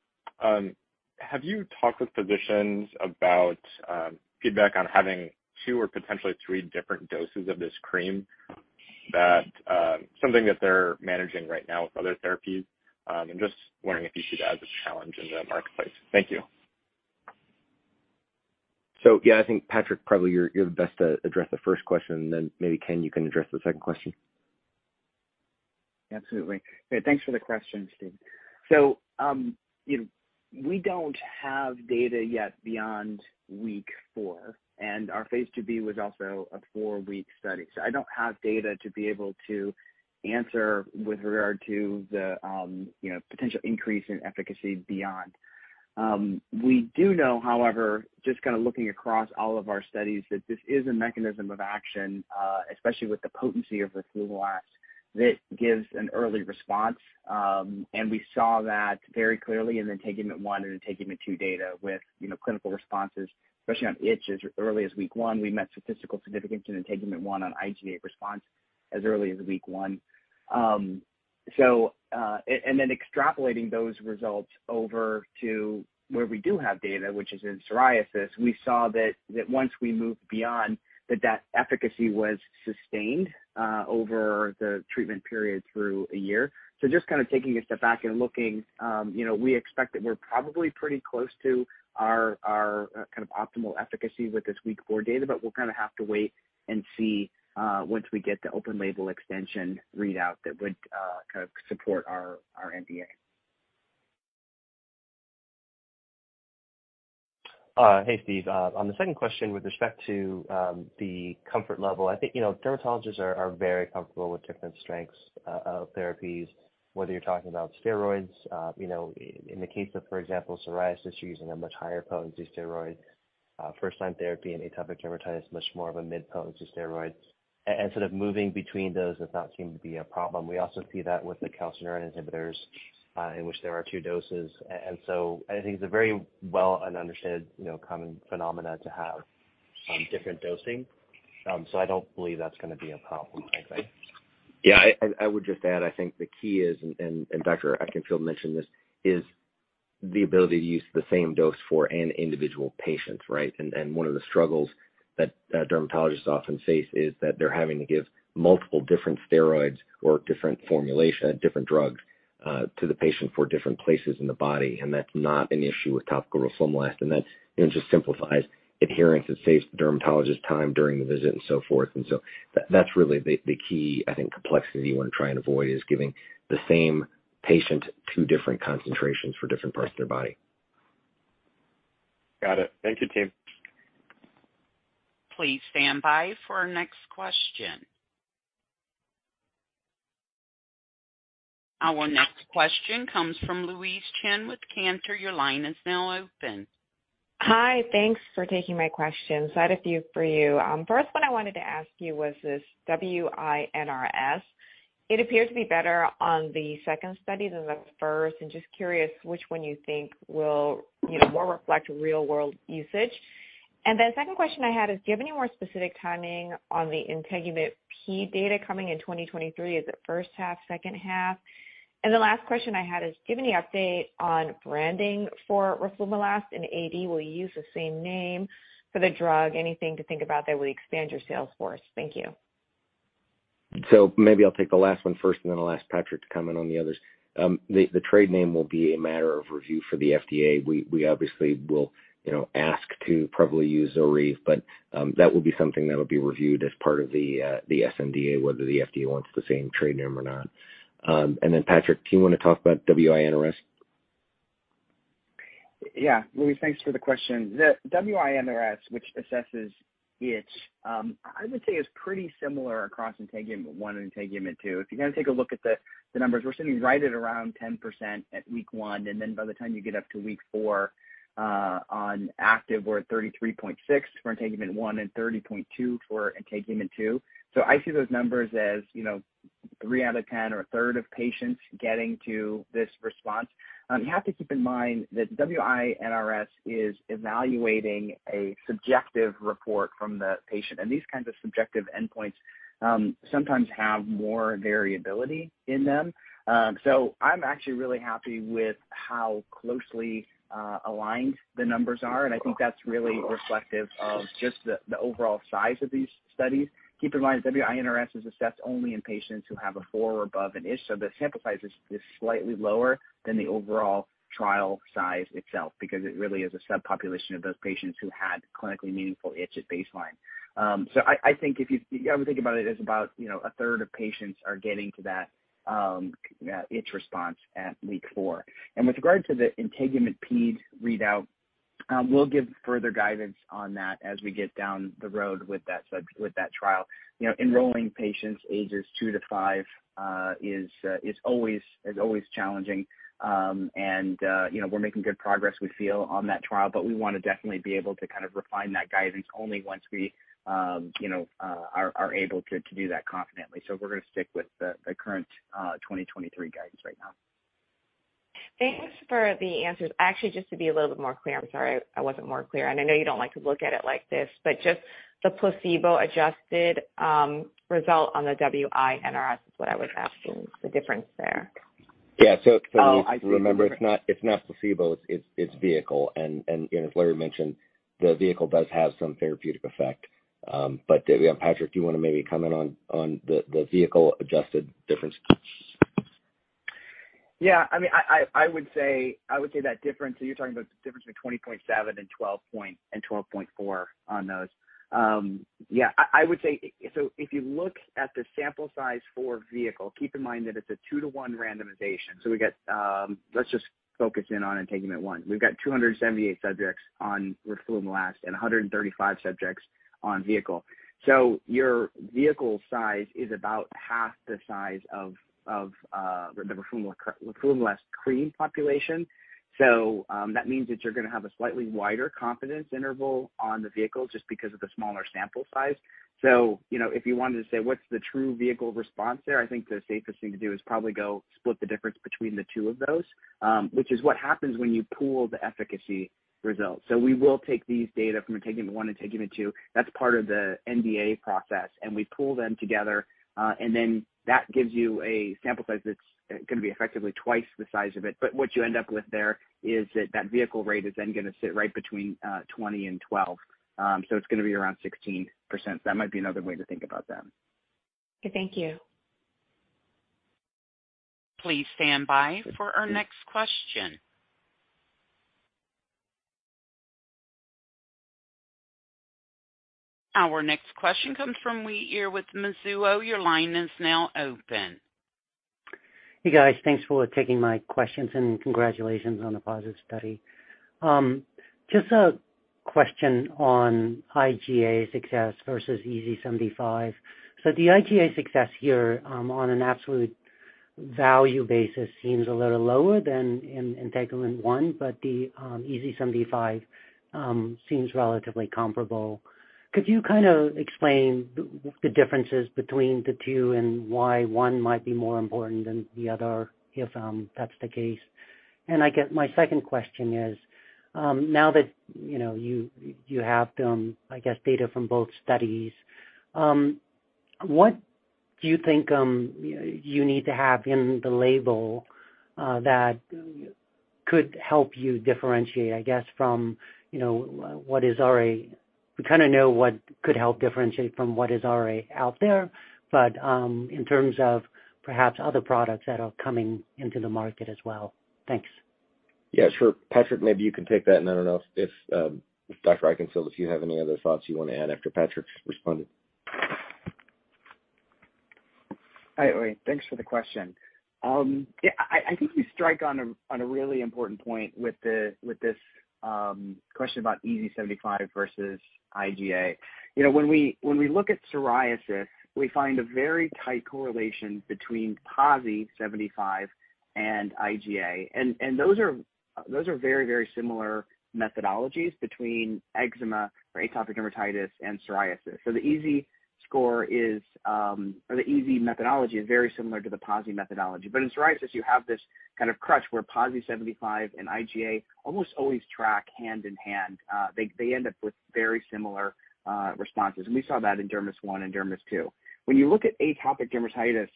have you talked with physicians about feedback on having two or potentially three different doses of this cream that something that they're managing right now with other therapies? I'm just wondering if you see that as a challenge in the marketplace. Thank you. Yeah, I think, Patrick, probably you're the best to address the first question, and then maybe Ken, you can address the second question. Absolutely. Yeah, thanks for the questions, Steve. You know, we don't have data yet beyond week four, and our phase IIB was also a 4-week study. I don't have data to be able to answer with regard to the, you know, potential increase in efficacy beyond. We do know, however, just kind of looking across all of our studies, that this is a mechanism of action, especially with the potency of roflumilast that gives an early response. We saw that very clearly in INTEGUMENT-1 and INTEGUMENT-2 data with, you know, clinical responses, especially on itch. As early as week one, we met statistical significance in INTEGUMENT-1 on IGA response as early as week 1. Then extrapolating those results over to where we do have data, which is in psoriasis, we saw that once we moved beyond that, efficacy was sustained over the treatment period through a year. Just kind of taking a step back and looking, you know, we expect that we're probably pretty close to our kind of optimal efficacy with this week 4 data. We'll kind of have to wait and see once we get the open-label extension readout that would kind of support our NDA. Hey, Steve. On the second question, with respect to, the comfort level, I think, you know, dermatologists are very comfortable with different strengths, of therapies, whether you're talking about steroids. You know, in the case of, for example, psoriasis, you're using a much higher potency steroid, first line therapy in atopic dermatitis, much more of a mid-potency steroid. Sort of moving between those does not seem to be a problem. We also see that with the calcineurin inhibitors, in which there are two doses. I think it's a very well and understood, you know, common phenomena to have, different dosing. I don't believe that's gonna be a problem, frankly. Yeah, I would just add, I think the key is, and Dr. Eichenfield mentioned this, is the ability to use the same dose for an individual patient, right? One of the struggles that dermatologists often face is that they're having to give multiple different steroids or different drugs to the patient for different places in the body, and that's not an issue with topical roflumilast. That, you know, just simplifies adherence. It saves dermatologists time during the visit and so forth. So that's really the key, I think, complexity you want to try and avoid, is giving the same patient two different concentrations for different parts of their body. Got it. Thank you, team. Please stand by for our next question. Our next question comes from Louise Chen with Cantor. Your line is now open. Hi. Thanks for taking my questions. I had a few for you. First one I wanted to ask you was this WI-NRS. It appears to be better on the second study than the first. Just curious which one you think will, you know, more reflect real world usage. Second question I had is, do you have any more specific timing on the INTEGUMENT-PED data coming in 2023? Is it first half, second half? The last question I had is, do you have any update on branding for roflumilast in AD? Will you use the same name for the drug? Anything to think about that will expand your sales force? Thank you. Maybe I'll take the last one first, and then I'll ask Patrick to comment on the others. The trade name will be a matter of review for the FDA. We obviously will, you know, ask to probably use ZORYVE, but that will be something that will be reviewed as part of the sNDA, whether the FDA wants the same trade name or not. Then Patrick, do you wanna talk about WI-NRS? Yeah. Louise, thanks for the question. The WI-NRS, which assesses itch, I would say is pretty similar across INTEGUMENT-1 and INTEGUMENT-2. If you kind of take a look at the numbers, we're sitting right at around 10% at week 1. By the time you get up to week 4, on active, we're at 33.6 for INTEGUMENT-1 and 30.2 for INTEGUMENT-2. I see those numbers as, you know, 3 out of 10 or a third of patients getting to this response. You have to keep in mind that WI-NRS is evaluating a subjective report from the patient, and these kinds of subjective endpoints sometimes have more variability in them. I'm actually really happy with how closely aligned the numbers are, and I think that's really reflective of just the overall size of these studies. Keep in mind, WI-NRS is assessed only in patients who have a 4 or above an itch, so the sample size is slightly lower than the overall trial size itself because it really is a subpopulation of those patients who had clinically meaningful itch at baseline. I think I would think about it as about, you know, a third of patients are getting to that itch response at week 4. With regard to the INTEGUMENT-PED readout, we'll give further guidance on that as we get down the road with that trial. You know, enrolling patients ages two to is always challenging. You know, we're making good progress, we feel, on that trial, but we wanna definitely be able to kind of refine that guidance only once we, you know, are able to do that confidently. We're gonna stick with the current 2023 guidance right now. Thanks for the answers. Actually, just to be a little bit more clear, I'm sorry I wasn't more clear, and I know you don't like to look at it like this, but just the placebo-adjusted result on the WI-NRS is what I was asking, the difference there. Yeah. Oh, I see. Remember, it's not placebo, it's vehicle. You know, as Larry mentioned, the vehicle does have some therapeutic effect. Yeah, Patrick, do you wanna maybe comment on the vehicle-adjusted difference? Yeah. I mean, I would say that difference, you're talking about the difference between 20.7 and 12.4 on those. Yeah, I would say if you look at the sample size for vehicle, keep in mind that it's a 2-to-1 randomization. We got, let's just focus in on INTEGUMENT-1. We've got 278 subjects on roflumilast and 135 subjects on vehicle. Your vehicle size is about half the size of the roflumilast cream population. That means that you're gonna have a slightly wider confidence interval on the vehicle just because of the smaller sample size. You know, if you wanted to say what's the true vehicle response there, I think the safest thing to do is probably go split the difference between the two of those, which is what happens when you pool the efficacy results. We will take these data from INTEGUMENT-1 and INTEGUMENT-2, that's part of the NDA process, and we pool them together, and then that gives you a sample size that's gonna be effectively twice the size of it. What you end up with there is that that vehicle rate is then gonna sit right between 20 and 12. It's gonna be around 16%. That might be another way to think about them. Okay, thank you. Please stand by for our next question. Our next question comes from Uy Ear with Mizuho. Your line is now open. Hey, guys. Thanks for taking my questions and congratulations on the positive study. Just a question on IGA success versus EASI-75. The IGA success here, on an absolute value basis seems a little lower than in INTEGUMENT-1, but the EASI-75 seems relatively comparable. Could you kind of explain the differences between the two and why one might be more important than the other if that's the case? I guess my second question is, now that, you know, you have, I guess, data from both studies, what do you think you need to have in the label that could help you differentiate, I guess from, you know, what is already. We kinda know what could help differentiate from what is already out there, but, in terms of perhaps other products that are coming into the market as well. Thanks. Yeah, sure. Patrick, maybe you can take that. I don't know if Dr. Eichenfield, if you have any other thoughts you wanna add after Patrick's responded. Hi, Uy. Thanks for the question. Yeah, I think you strike on a really important point with this question about EASI-75 versus IGA. You know, when we look at psoriasis, we find a very tight correlation between PASI-75 and IGA. Those are very, very similar methodologies between eczema or atopic dermatitis and psoriasis. The EASI score is or the EASI methodology is very similar to the PASI methodology. In psoriasis you have this kind of crutch where PASI-75 and IGA almost always track hand-in-hand. They end up with very similar responses, and we saw that in DERMIS-1 and DERMIS-2. When you look at atopic dermatitis,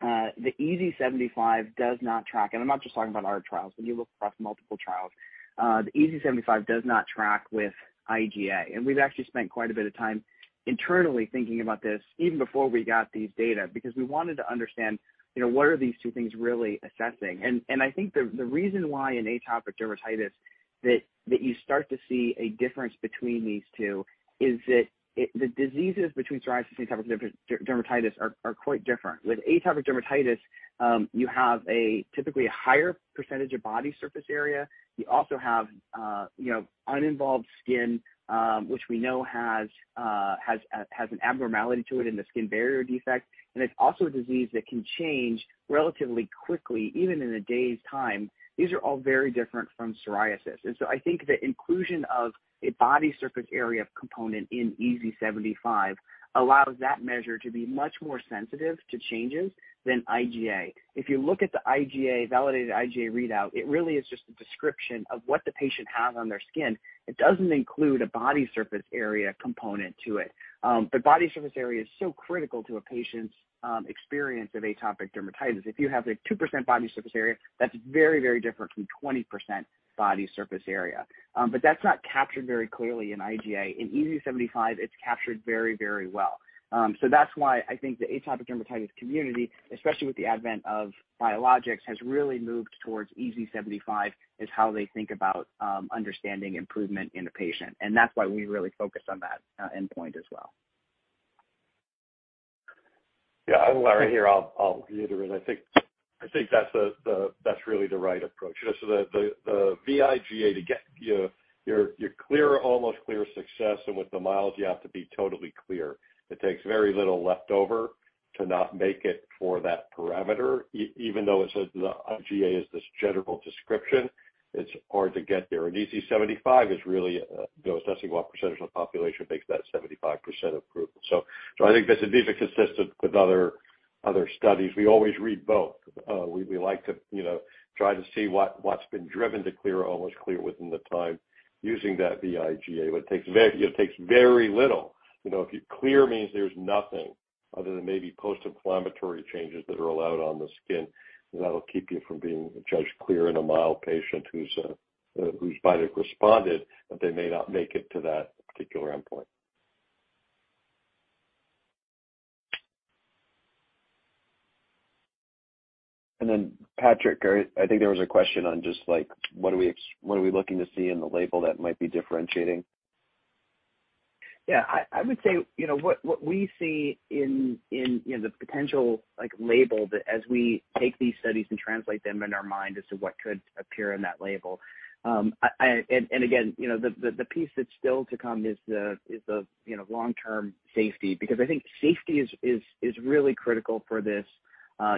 the EASI-75 does not track, and I'm not just talking about our trials. When you look across multiple trials, the EASI-75 does not track with IGA. We've actually spent quite a bit of time internally thinking about this even before we got these data because we wanted to understand, you know, what are these two things really assessing. I think the reason why in atopic dermatitis that you start to see a difference between these two is that the diseases between psoriasis and atopic dermatitis are quite different. With atopic dermatitis, you have a typically a higher percentage of body surface area. You also have, you know, uninvolved skin, which we know has a, has an abnormality to it in the skin barrier defect. It's also a disease that can change relatively quickly, even in a day's time. These are all very different from psoriasis. I think the inclusion of a body surface area component in EASI-75 allows that measure to be much more sensitive to changes than IGA. If you look at the IGA, validated IGA readout, it really is just a description of what the patient has on their skin. It doesn't include a body surface area component to it. Body surface area is so critical to a patient's experience of atopic dermatitis. If you have a 2% body surface area, that's very, very different from 20% body surface area. That's not captured very clearly in IGA. In EASI-75 it's captured very, very well. That's why I think the atopic dermatitis community, especially with the advent of biologics, has really moved towards EASI-75 as how they think about understanding improvement in the patient. That's why we really focus on that, endpoint as well. Yeah. Larry here, I'll reiterate. I think that's really the right approach. Just the VIGA to get your clear, almost clear success and with the miles you have to be totally clear. It takes very little leftover to not make it for that parameter even though the IGA is this general description, it's hard to get there. EASI-75 is really, you know, assessing what percentage of the population makes that 75% approval. I think that these are consistent with other studies. We always read both. We like to, you know, try to see what's been driven to clear, almost clear within the time using that vIGA. It takes very little. You know, if you clear means there's nothing other than maybe post-inflammatory changes that are allowed on the skin that'll keep you from being judged clear in a mild patient who's biologic responded, but they may not make it to that particular endpoint. Patrick, I think there was a question on just like, what are we looking to see in the label that might be differentiating? Yeah. I would say, you know, what we see in, you know, the potential like label that as we take these studies and translate them in our mind as to what could appear in that label, and again, you know, the piece that's still to come is the, you know, long-term safety. I think safety is really critical for this.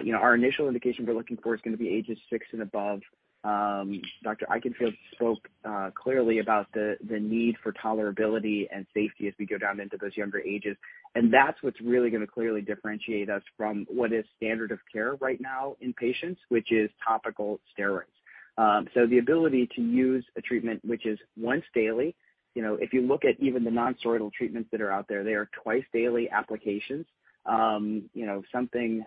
You know, our initial indication we're looking for is gonna be ages 6 and above. Dr. Eichenfield spoke clearly about the need for tolerability and safety as we go down into those younger ages. That's what's really gonna clearly differentiate us from what is standard of care right now in patients, which is topical steroids. The ability to use a treatment which is once daily. You know, if you look at even the nonsteroidal treatments that are out there, they are twice daily applications. You know, something,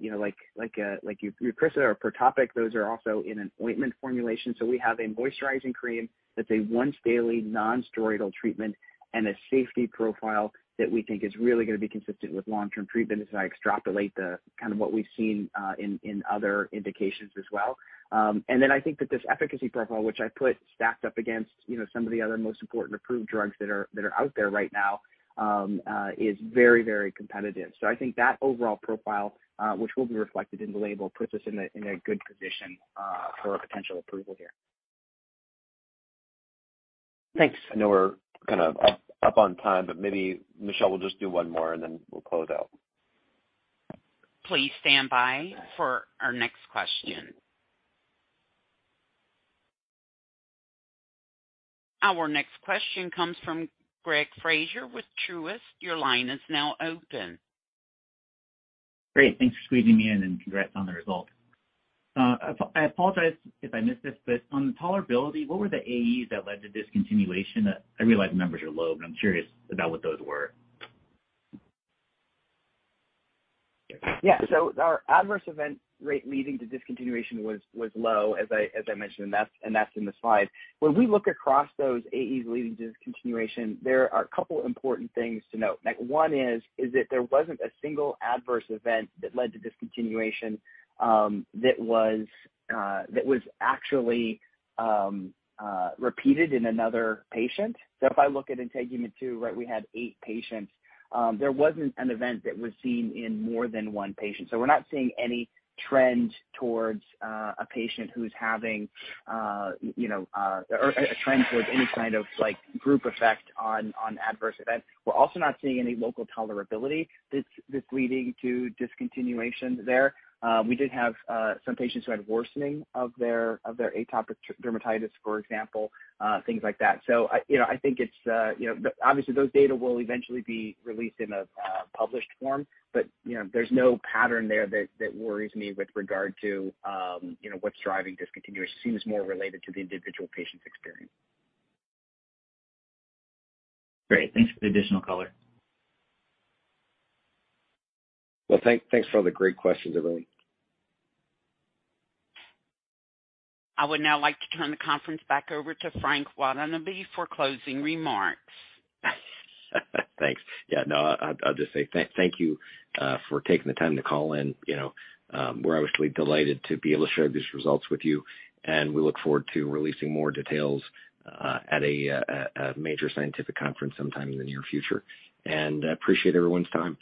you know, like Eucrisa or Protopic, those are also in an ointment formulation. We have a moisturizing cream that's a once daily nonsteroidal treatment and a safety profile that we think is really gonna be consistent with long-term treatment as I extrapolate the kind of what we've seen in other indications as well. Then I think that this efficacy profile, which I put stacked up against, you know, some of the other most important approved drugs that are out there right now, is very, very competitive. I think that overall profile, which will be reflected in the label, puts us in a good position for a potential approval here. Thanks. I know we're kind of up on time, but maybe Michelle will just do one more and then we'll close out. Please stand by for our next question. Our next question comes from Greg Fraser with Truist. Your line is now open. Great. Thanks for squeezing me in. Congrats on the result. I apologize if I missed this, but on tolerability, what were the AEs that led to discontinuation? I realize the numbers are low, but I'm curious about what those were. Our adverse event rate leading to discontinuation was low as I mentioned, and that's in the slide. When we look across those AEs leading to discontinuation, there are couple important things to note. Like, one is that there wasn't a single adverse event that led to discontinuation that was actually repeated in another patient. If I look at INTEGUMENT-2, right, we had eight patients, there wasn't an event that was seen in more than one patient. We're not seeing any trend towards a patient who's having, you know, or a trend towards any kind of like group effect on adverse events. We're also not seeing any local tolerability that's leading to discontinuation there. We did have some patients who had worsening of their atopic dermatitis, for example, things like that. I, you know, I think it's, you know, but obviously those data will eventually be released in a published form, but, you know, there's no pattern there that worries me with regard to, you know, what's driving discontinuation. Seems more related to the individual patient's experience. Great. Thanks for the additional color. Well, thanks for all the great questions, everyone. I would now like to turn the conference back over to Frank Watanabe for closing remarks. Thanks. Yeah, no, I'll just say thank you for taking the time to call in. You know, we're obviously delighted to be able to share these results with you. We look forward to releasing more details at a major scientific conference sometime in the near future. I appreciate everyone's time.